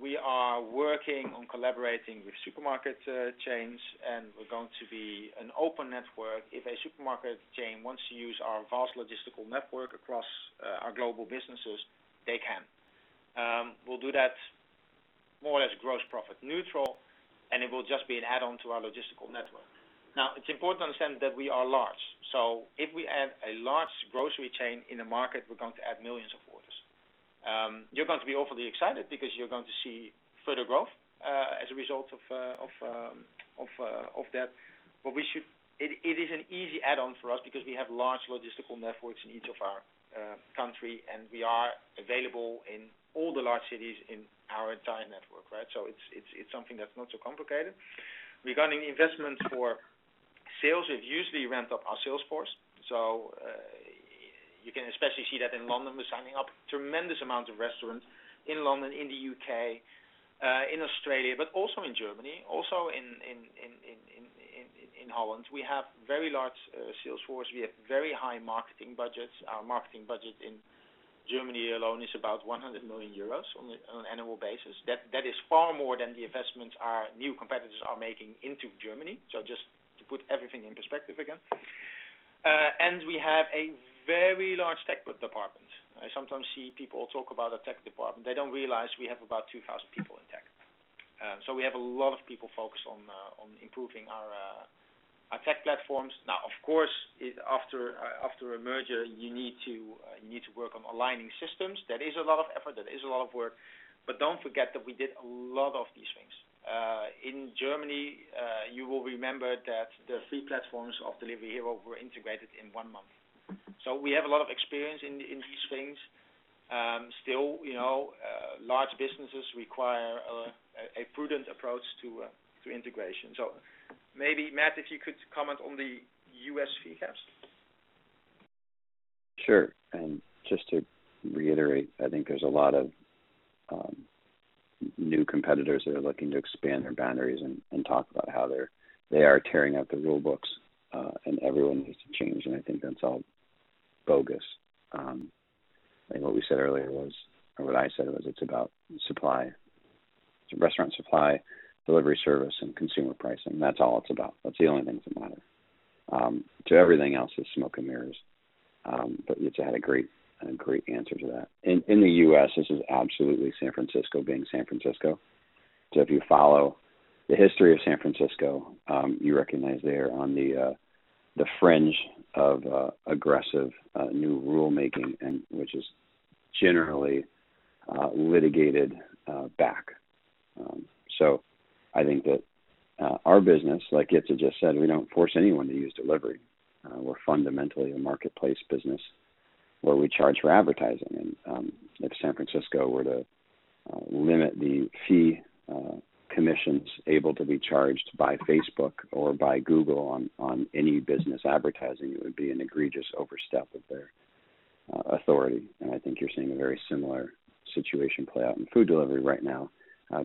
We are working on collaborating with supermarket chains, and we're going to be an open network. If a supermarket chain wants to use our vast logistical network across our global businesses, they can. We'll do that more as gross profit neutral, and it will just be an add-on to our logistical network. It's important to understand that we are large. If we add a large grocery chain in a market, we're going to add millions of orders. You're going to be overly excited because you're going to see further growth as a result of that. It is an easy add-on for us because we have large logistical networks in each of our countries, and we are available in all the large cities in our entire network. It's something that's not so complicated. Regarding investment for sales, we've hugely ramped up our salesforce. You can especially see that in London. We're signing up tremendous amounts of restaurants in London, in the U.K., in Australia, but also in Germany, also in Holland. We have a very large salesforce. We have very high marketing budgets. Our marketing budget in Germany alone is about 100 million euros on an annual basis. That is far more than the investment our new competitors are making into Germany. Just to put everything into perspective again. We have a very large tech department. I sometimes see people talk about a tech department. They don't realize we have about 2,000 people in tech. We have a lot of people focused on improving our tech platforms. Now, of course, after a merger, you need to work on aligning systems. That is a lot of effort, that is a lot of work. Don't forget that we did a lot of these things. In Germany, you will remember that the three platforms of Delivery Hero were integrated in one month. We have a lot of experience in these things. Still, large businesses require a prudent approach to integration. Maybe, Matt, if you could comment on the U.S. fee caps. Sure. Just to reiterate, I think there's a lot of new competitors that are looking to expand their boundaries and talk about how they are tearing up the rule books, and everyone needs to change. I think that's all bogus. What we said earlier was, or what I said was, it's about supply. It's restaurant supply, delivery service, and consumer pricing. That's all it's about. That's the only things that matter. To everything else, it's smoke and mirrors. Jitse had a great answer to that. In the U.S., this is absolutely San Francisco being San Francisco. If you follow the history of San Francisco, you recognize they are on the fringe of aggressive new rulemaking, which is generally litigated back. I think that our business, like Jitse just said, we don't force anyone to use delivery. We're fundamentally a marketplace business where we charge for advertising. If San Francisco were to limit the key commissions able to be charged by Facebook or by Google on any business advertising, it would be an egregious overstep of their authority. I think you're seeing a very similar situation play out in food delivery right now,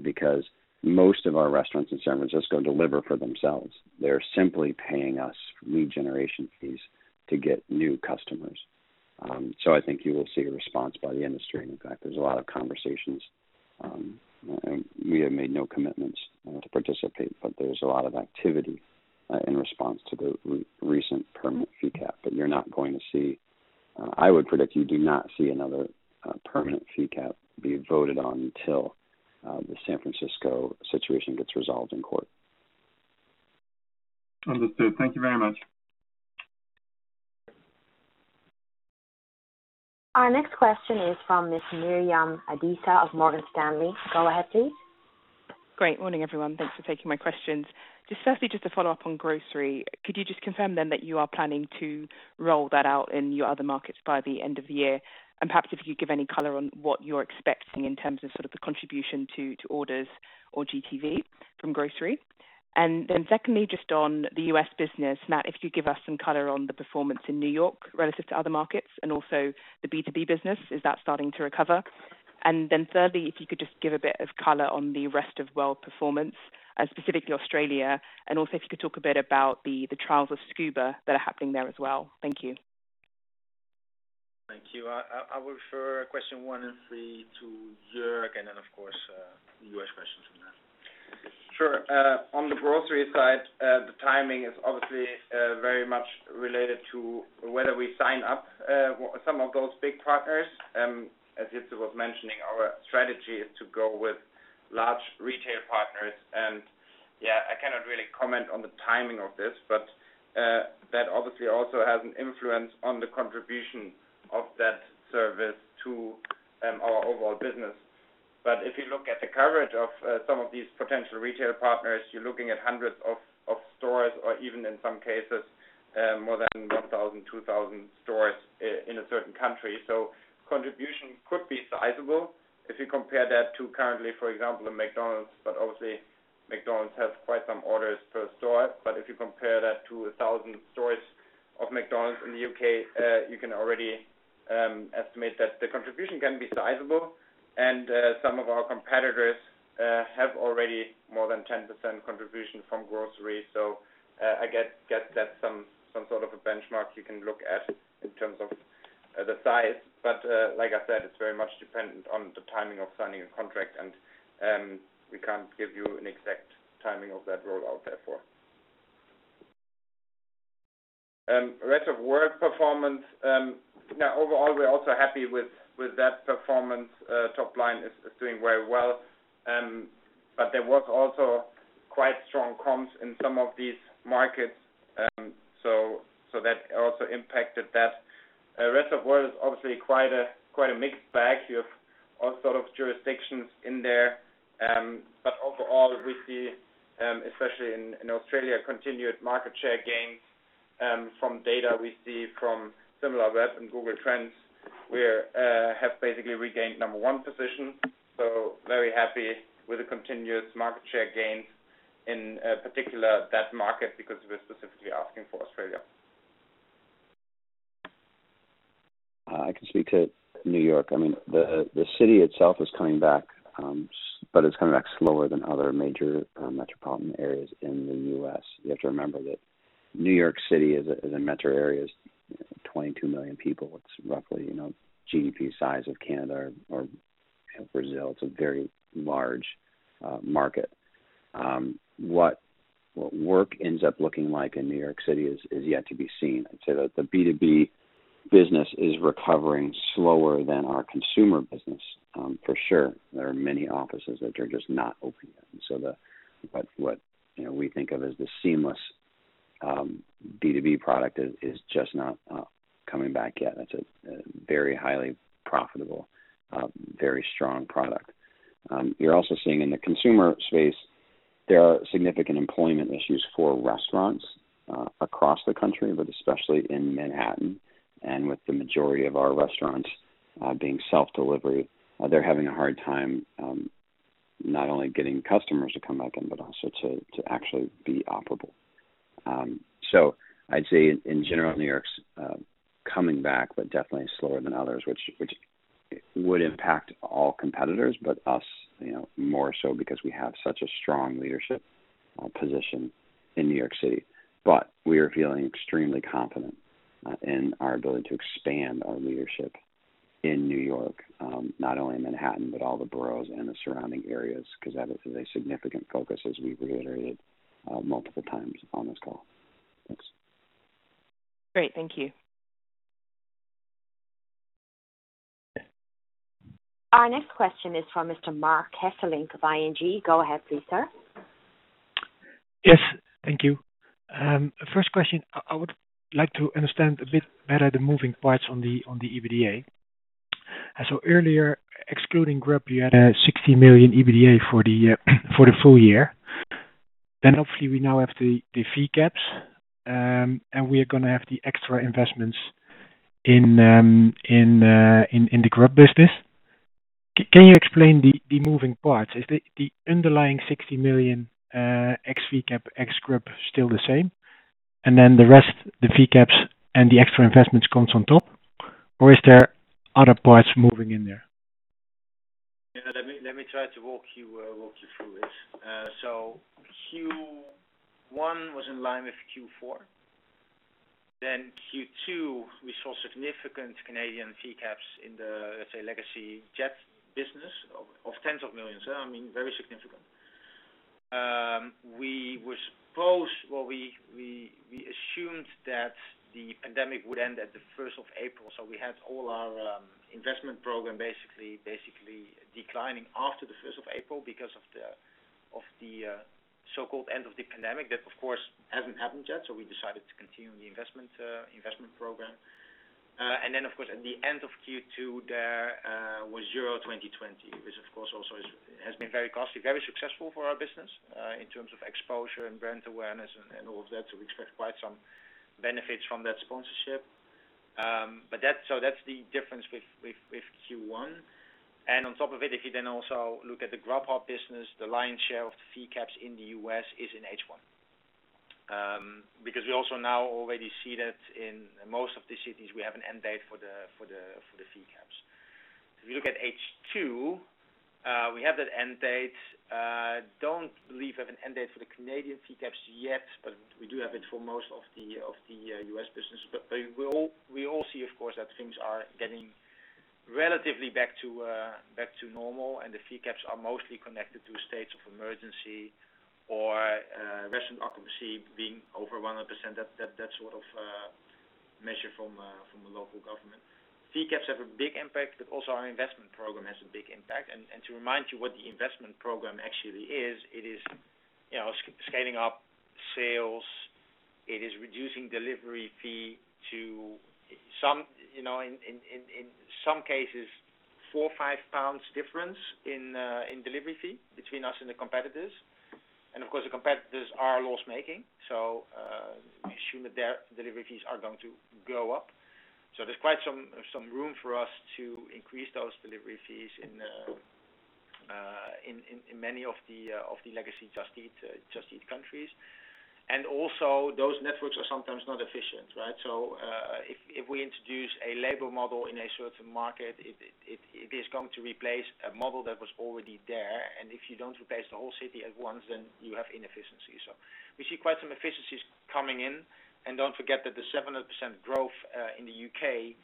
because most of our restaurants in San Francisco deliver for themselves. They're simply paying us lead generation fees to get new customers. I think you will see a response by the industry. In fact, there's a lot of conversations. We have made no commitments to participate, but there's a lot of activity in response to the recent permanent fee cap that you're not going to see. I would predict you do not see another permanent fee cap being voted on until the San Francisco situation gets resolved in court. Understood. Thank you very much. Our next question is from Miss Miriam Adisa of Morgan Stanley. Go ahead, please. Great. Morning, everyone. Thanks for taking my questions. Just firstly, just a follow-up on grocery. Could you just confirm then that you are planning to roll that out in your other markets by the end of the year? Perhaps if you could give any color on what you're expecting in terms of sort of the contribution to orders or GTV from grocery. Secondly, just on the U.S. business. Now, if you could give us some color on the performance in New York relative to other markets, and also the B2B business. Is that starting to recover? Thirdly, if you could just give a bit of color on the rest of world performance, specifically Australia, and also if you could talk a bit about the trials of Scoober that are happening there as well. Thank you. Thank you. I will refer question one and three to Jörg, and then, of course, U.S. questions for Matt. Sure. On the grocery side, the timing is obviously very much related to whether we sign up some of those big partners. As Jitse was mentioning, our strategy is to go with large retail partners. Yeah, I cannot really comment on the timing of this, but that obviously also has an influence on the contribution of that service to our overall business. If you look at the coverage of some of these potential retail partners, you're looking at hundreds of stores, or even in some cases, more than 1,000, 2,000 stores in a certain country. Contribution could be sizable. If you compare that to currently, for example, a McDonald's, but obviously McDonald's has quite some orders per store, but if you compare that to 1,000 stores of McDonald's in the U.K., you can already estimate that the contribution can be sizable, and some of our competitors have already more than 10% contribution from grocery. I guess that's some sort of a benchmark you can look at in terms of the size. Like I said, it's very much dependent on the timing of signing a contract, and we can't give you an exact timing of that rollout therefore. Rest of World performance. Overall, we're also happy with that performance. Top line is doing very well, but there was also quite strong comps in some of these markets, so that also impacted that. Rest of World is obviously quite a mixed bag. You have all sort of jurisdictions in there. Overall, we see, especially in Australia, continued market share gains. From data we see from Similarweb and Google Trends, we have basically regained number one position, so very happy with the continuous market share gains, in particular that market, because we're specifically asking for Australia. I can speak to New York. The city itself is coming back, but it's coming back slower than other major metropolitan areas in the U.S. You have to remember that New York City as a metro area is 22 million people. It's roughly GDP size of Canada or Brazil. It's a very large market. What work ends up looking like in New York City is yet to be seen. I'd say that the B2B business is recovering slower than our consumer business, for sure. There are many offices that are just not open yet, and so what we think of as the Seamless B2B product is just not coming back yet. It's a very highly profitable, very strong product. You're also seeing in the consumer space, there are significant employment issues for restaurants across the country, but especially in Manhattan. With the majority of our restaurants being self-delivery, they're having a hard time not only getting customers to come back in, but also to actually be operable. I'd say in general, New York's coming back, but definitely slower than others, which would impact all competitors but us more so because we have such a strong leadership position in New York City. We are feeling extremely confident in our ability to expand our leadership in New York, not only in Manhattan, but all the boroughs and the surrounding areas, because that is a significant focus, as we've reiterated multiple times on this call. Thanks. Great. Thank you. Our next question is from Mr. Marc Hesselink from ING. Go ahead, please, sir. Yes. Thank you. First question, I would like to understand a bit better the moving parts on the EBITDA. Earlier, excluding Grubhub, you had a 60 million EBITDA for the full year. Obviously we now have the fee caps, and we are going to have the extra investments in the Grubhub business. Can you explain the moving parts? Is the underlying 60 million ex fee cap, ex Grubhub still the same, and then the rest, the fee caps, and the extra investments comes on top, or is there other parts moving in there? Let me try to walk you through this. Q1 was in line with Q4. Q2, we saw significant Canadian fee caps in the, let's say, legacy Just Eat business of EUR tens of millions. Very significant. We assumed that the pandemic would end at the 1st of April. We had all our investment program basically declining after the 1st of April because of the so-called end of the pandemic. That, of course, hasn't happened yet, we decided to continue the investment program. Of course, at the end of Q2, there was Euro 2020, which of course, also has been very costly, very successful for our business in terms of exposure and brand awareness and all of that. We expect quite some benefits from that sponsorship. That's the difference with Q1. On top of it, if you also look at the Grubhub business, the lion's share of the fee caps in the U.S. is in H1. Because we also now already see that in most of the cities, we have an end date for the fee caps. If you look at H2, we have that end date. Don't believe we have an end date for the Canadian fee caps yet, but we do have it for most of the U.S. business. We all see, of course, that things are getting relatively back to normal and the fee caps are mostly connected to states of emergency or restaurant occupancy being over 100%, that sort of measure from the local government. Fee caps have a big impact, but also our investment program has a big impact. To remind you what the investment program actually is, it is scaling up sales. It is reducing delivery fee to, in some cases, 4 or 5 difference in delivery fee between us and the competitors. Of course, the competitors are loss-making, so I assume that their delivery fees are going to go up. There's quite some room for us to increase those delivery fees in many of the legacy Just Eat countries. Also those networks are sometimes not efficient. If we introduce a labor model in a certain market, it is going to replace a model that was already there. If you don't replace the whole city at once, you have inefficiencies. We see quite some efficiencies coming in. Don't forget that the 700% growth in the U.K.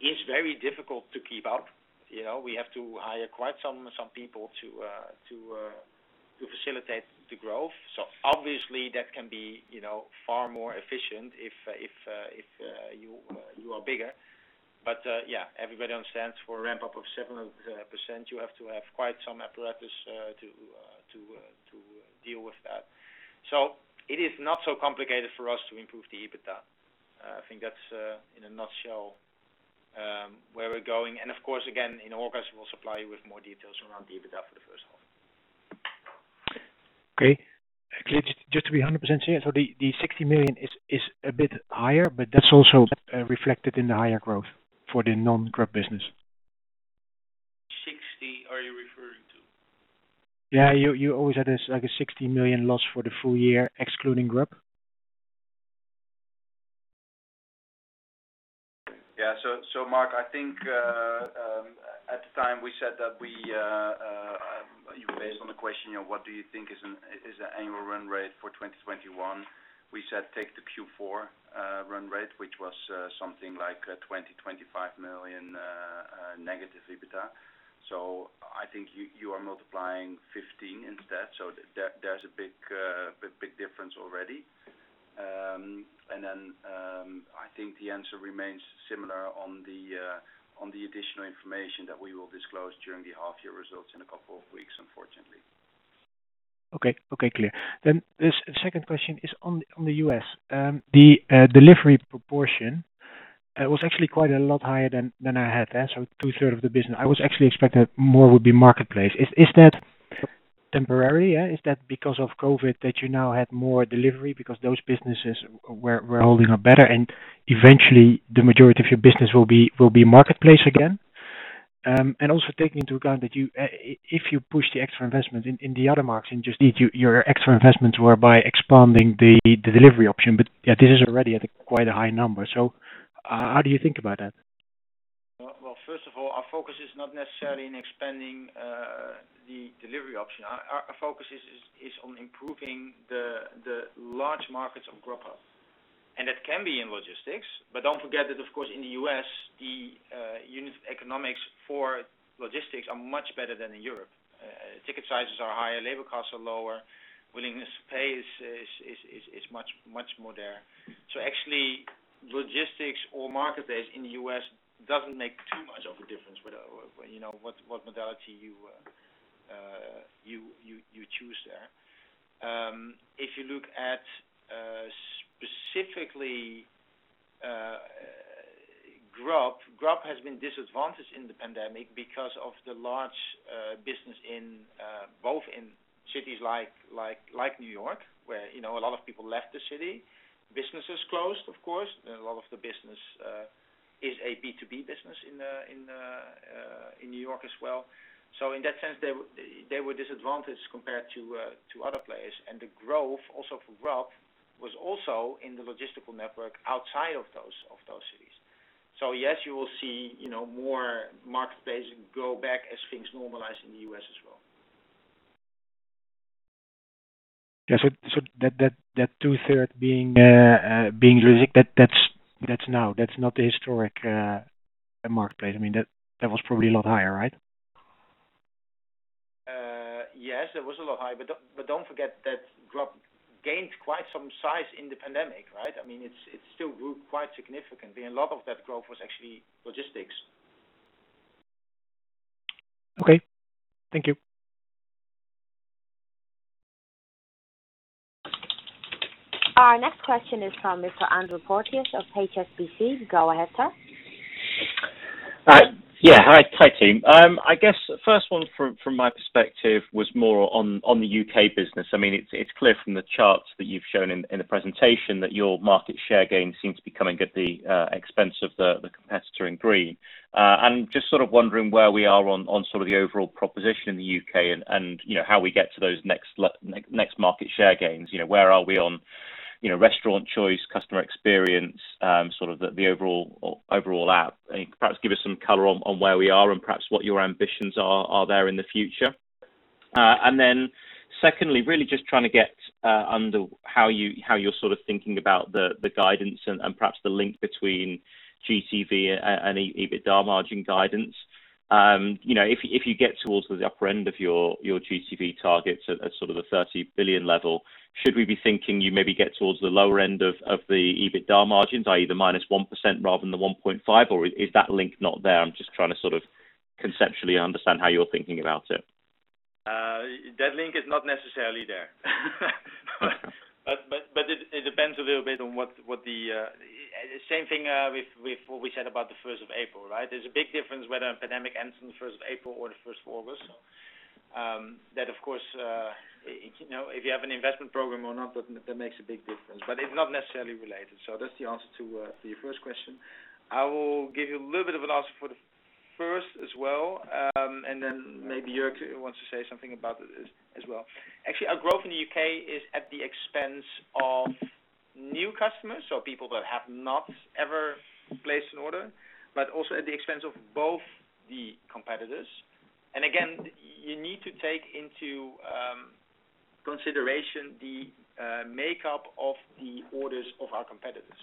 is very difficult to keep up. We have to hire quite some people to facilitate the growth. Obviously that can be far more efficient if you are bigger. Everybody understands for a ramp up of 700%, you have to have quite some apparatus to deal with that. It is not so complicated for us to improve the EBITDA. I think that's in a nutshell where we're going. Of course, again, in August, we'll supply you with more details around the EBITDA for the first half. Just to be 100% clear, so the 60 million is a bit higher, but that's also reflected in the higher growth for the non-Grubhub business. 60 are you referring to? Yeah, you always had this 60 million loss for the full year, excluding Grubhub. Yeah. Marc, I think, at the time we said that based on the question, what do you think is the annual run rate for 2021? We said take the Q4 run rate, which was something like 20 million-25 million negative EBITDA. I think you are multiplying 15 instead. There's a big difference already. Then, I think the answer remains similar on the additional information that we will disclose during the half-year results in a couple of weeks, unfortunately. Okay, clear. The second question is on the U.S., the delivery proportion was actually quite a lot higher than I had. Two third of the business, I was actually expecting more would be marketplace. Is that temporary? Is that because of COVID that you now had more delivery because those businesses were holding up better and eventually the majority of your business will be marketplace again? Also taking into account that if you push the extra investment in the other markets, Just Eat your extra investments were by expanding the delivery option. This is already at quite a high number. How do you think about that? Well, first of all, our focus is not necessarily in expanding the delivery option. Our focus is on improving the large markets of growth. It can be in logistics, but don't forget that of course, in the U.S., the unit economics for logistics are much better than in Europe. Ticket sizes are higher, labor costs are lower, willingness to pay is much more there. Actually, logistics or marketplace in the U.S. doesn't make too much of a difference what modality you choose there. If you look at specifically Grubhub has been disadvantaged in the pandemic because of the large business both in cities like New York, where a lot of people left the city, businesses closed, of course, and a lot of the business is a B2B business in New York as well. In that sense, they were disadvantaged compared to other players. The growth also for Grubhub was also in the logistical network outside of those cities. Yes, you will see more marketplace grow back as things normalize in the U.S. as well. Yeah. That two third being logistic, that's now, that's not the historic marketplace. That was probably a lot higher, right? Yes, it was a lot higher. Don't forget that Grubhub gained quite some size in the pandemic, right? It still grew quite significantly, and a lot of that growth was actually logistics. Okay. Thank you. Our next question is from Mr. Andrew Porteous of HSBC. Go ahead, sir. Hi, team. I guess the first one from my perspective was more on the UK business. It's clear from the charts that you've shown in the presentation that your market share gains seem to be coming at the expense of the competitor in green. Just sort of wondering where we are on sort of the overall proposition in the UK and how we get to those next market share gains. Where are we on restaurant choice, customer experience, sort of the overall app? Perhaps give us some color on where we are and perhaps what your ambitions are there in the future. Secondly, really just trying to get under how you're sort of thinking about the guidance and perhaps the link between GTV and EBITDA margin guidance. If you get towards the upper end of your GTV targets at sort of the 30 billion level, should we be thinking you maybe get towards the lower end of the EBITDA margins, either minus 1% rather than the 1.5%, or is that link not there? I'm just trying to sort of conceptually understand how you're thinking about it. That link is not necessarily there. It depends a little bit on what we said about the 1st of April, right? There's a big difference whether a pandemic ends on the 1st of April or the 1st of August. That, of course, if you have an investment program or not, that makes a big difference, but it's not necessarily related. That's the answer to your first question. I will give you a little bit of an answer for the first as well, and then maybe Jörg wants to say something about it as well. Actually, our growth in the U.K. is at the expense of new customers, so people that have not ever placed an order, but also at the expense of both the competitors. Again, you need to take into consideration the makeup of the orders of our competitors.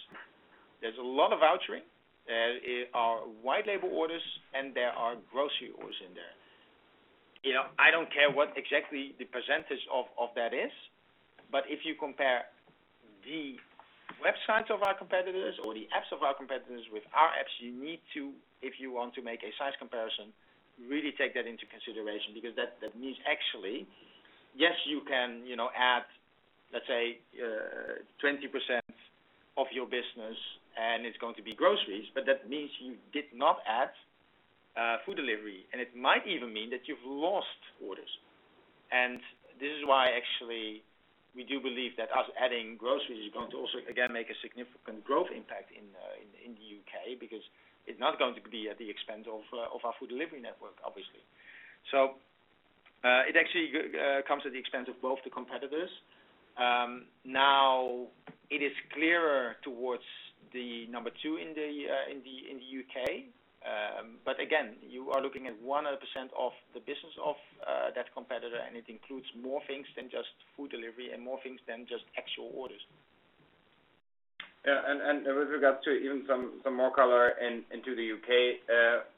There's a lot of vouchering. There are white label orders, and there are grocery orders in there. I don't care what exactly the percentage of that is. If you compare the websites of our competitors or the apps of our competitors with our apps, you need to, if you want to make a size comparison, really take that into consideration, because that means actually, yes, you can add, let's say, 20% of your business and it's going to be groceries, but that means you did not add food delivery. It might even mean that you've lost orders. This is why, actually, we do believe that us adding groceries is going to also, again, make a significant growth impact in the U.K., because it's not going to be at the expense of our food delivery network, obviously. It actually comes at the expense of both the competitors. It is clearer towards the number two in the U.K. Again, you are looking at 100% of the business of that competitor, and it includes more things than just food delivery and more things than just actual orders. With regards to even some more color into the U.K.,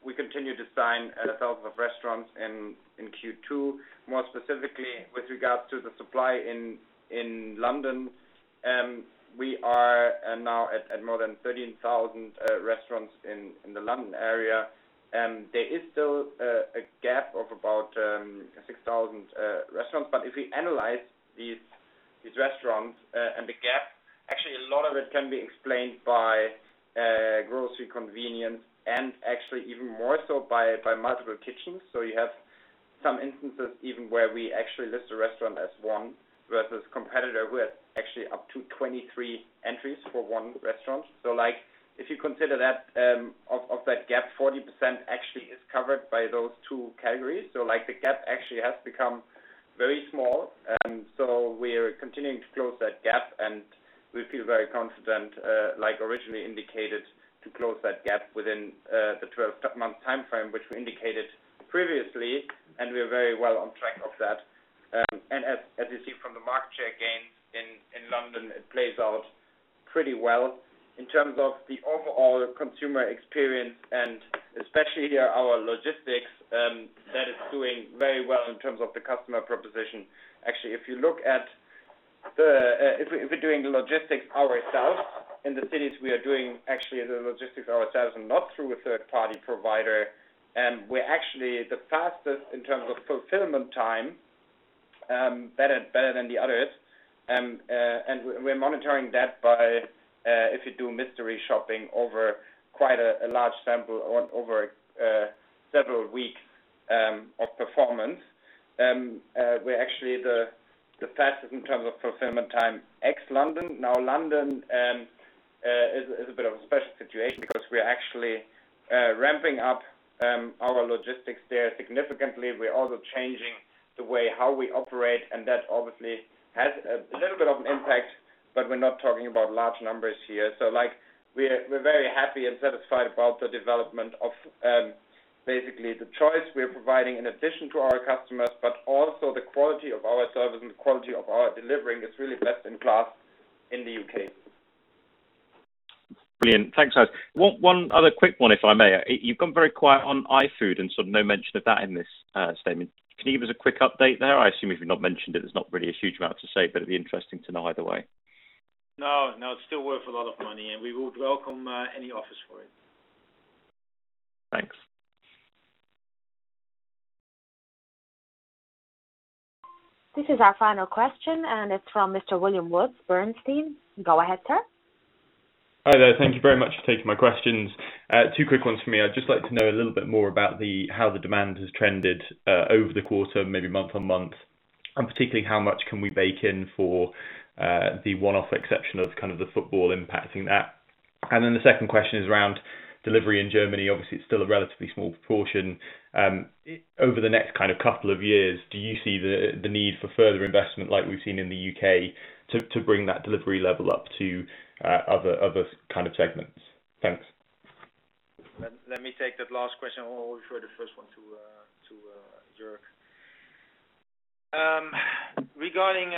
we continue to sign thousands of restaurants in Q2. More specifically, with regards to the supply in London, we are now at more than 13,000 restaurants in the London area. There is still a gap of about 6,000 restaurants. If we analyze these restaurants and the gap, actually a lot of that can be explained by grocery convenience and actually even more so by multiple kitchens. You have some instances even where we actually list a restaurant as one versus competitor who has actually up to 23 entries for one restaurant. If you consider that of that gap, 40% actually is covered by those two categories. The gap actually has become very small. We are continuing to close that gap, and we feel very confident, like originally indicated, to close that gap within the 12-month timeframe, which we indicated previously, and we're very well on track of that. As you see from the market share gains in London, it plays out pretty well in terms of the overall consumer experience and especially our logistics. That is doing very well in terms of the customer proposition. If you look at doing the logistics ourselves in the cities, we are doing actually the logistics ourselves and not through a third-party provider. We are actually the fastest in terms of fulfillment time, better than the others. We're monitoring that by, if you do mystery shopping over quite a large sample over several weeks of performance, we're actually the fastest in terms of fulfillment time, ex-London. London is a bit of a special situation because we're actually ramping up our logistics there significantly. We're also changing the way how we operate, and that obviously has a little bit of impact, but we're not talking about large numbers here. We're very happy and satisfied about the development of basically the choice we're providing in addition to our customers, but also the quality of our service and the quality of our delivering is really best in class in the U.K. Brilliant. Thanks. One other quick one, if I may. You've gone very quiet on iFood and no mention of that in this statement. Can you give us a quick update there? I assume if you've not mentioned it, there's not really a huge amount to say, but it'd be interesting to know either way. No, it's still worth a lot of money, and we would welcome any offers for it. Thanks. This is our final question, and it's from Mr. William Woods, Bernstein. Go ahead, sir. Hi there. Thank you very much for taking my questions. Two quick ones from me. I'd just like to know a little bit more about how the demand has trended over the quarter, maybe month-on-month, and particularly how much can we bake in for the one-off exception of kind of the football impacting that. Then the second question is around delivery in Germany. Obviously, it's still a relatively small proportion. Over the next couple of years, do you see the need for further investment like we've seen in the U.K. to bring that delivery level up to other kind of segments? Thanks. Let me take that last question. I'll refer the first one to Jörg. Regarding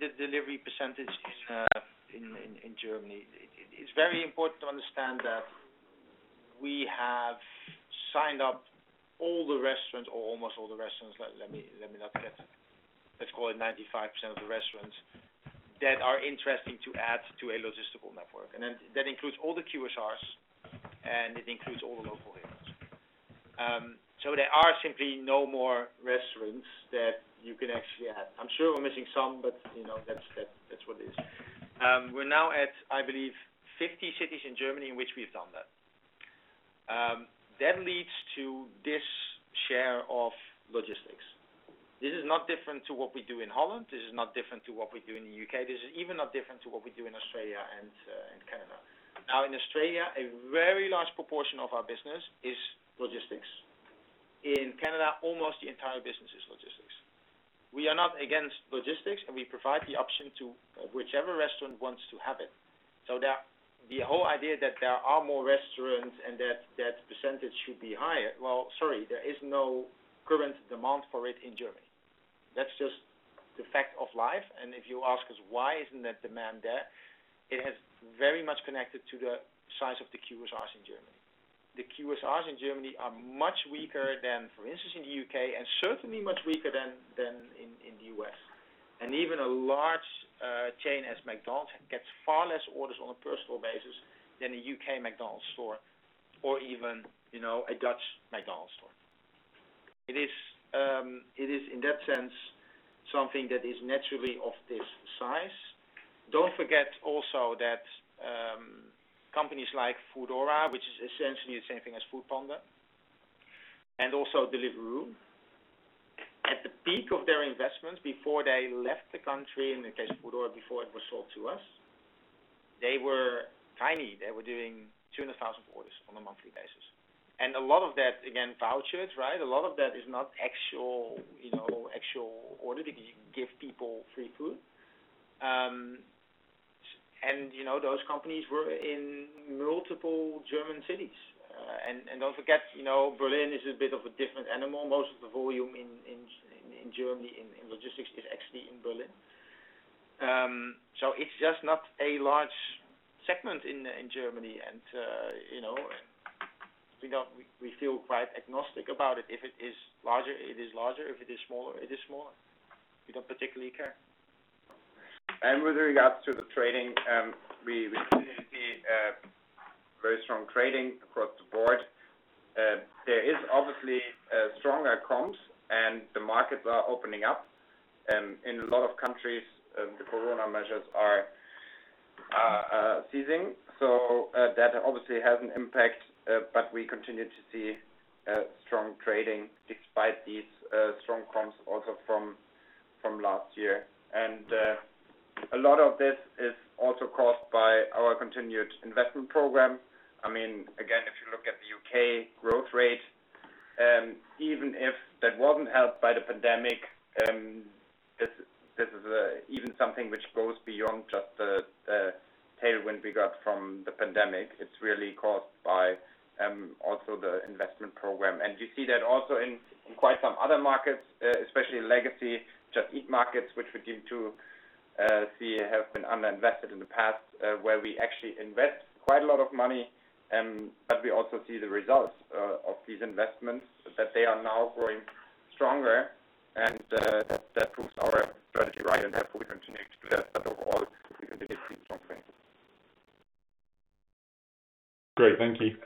the delivery percentage in Germany, it's very important to understand that we have signed up all the restaurants, or almost all the restaurants. Let's call it 95% of the restaurants that are interesting to add to a logistical network. That includes all the QSRs, and it includes all local heroes. There are simply no more restaurants that you can actually add. I'm sure we're missing some, but that's what it is. We're now at, I believe, 50 cities in Germany in which we've done that. That leads to this share of logistics. This is not different to what we do in Holland. This is not different to what we do in the U.K. This is even not different to what we do in Australia and in Canada. In Australia, a very large proportion of our business is logistics. In Canada, almost the entire business is logistics. We are not against logistics, and we provide the option to whichever restaurant wants to have it. The whole idea that there are more restaurants and that percentage should be higher, well, sorry, there is no current demand for it in Germany. That's just the fact of life, and if you ask us why isn't that demand there? It is very much connected to the size of the QSRs in Germany. The QSRs in Germany are much weaker than, for instance, in the U.K., and certainly much weaker than in the U.S. Even a large chain as McDonald's gets far less orders on a personal basis than a U.K. McDonald's store or even a Dutch McDonald's store. It is, in that sense, something that is naturally of this size. Don't forget also that companies like Foodora, which is essentially the same thing as foodpanda, and also Delivery Hero, at the peak of their investments before they left the country, in the case of Foodora, before it was sold to us, they were tiny. They were doing 200,000 orders on a monthly basis. A lot of that, again, vouchers, is not actual order because you give people free food. Those companies were in multiple German cities. Don't forget, Berlin is a bit of a different animal. Most of the volume in Germany in logistics is actually in Berlin. It's just not a large segment in Germany, and we feel quite agnostic about it. If it is larger, it is larger. If it is smaller, it is smaller. We don't particularly care. With regards to the trading, we continue to see very strong trading across the board. There is obviously stronger comps and the markets are opening up. In a lot of countries, the corona measures are ceasing. That obviously has an impact, but we continue to see strong trading despite these strong comps also from last year. A lot of this is also caused by our continued investment program. If you look at the U.K. growth rate, even if that wasn't helped by the pandemic, this is even something which goes beyond just the tailwind we got from the pandemic. It's really caused by also the investment program. You see that also in quite some other markets, especially legacy Just Eat markets, which we deem to see have been under-invested in the past where we actually invest quite a lot of money, but we also see the results of these investments, that they are now growing stronger, and that proves our strategy right, and therefore we continue to invest. Overall, we continue to see strong trends. Great. Thank you.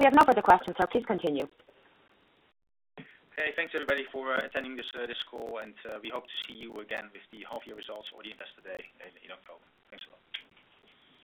We have no further questions, so please continue. Okay. Thanks, everybody, for attending this call, and we hope to see you again with the half year results for the investor day later in October. Thanks a lot.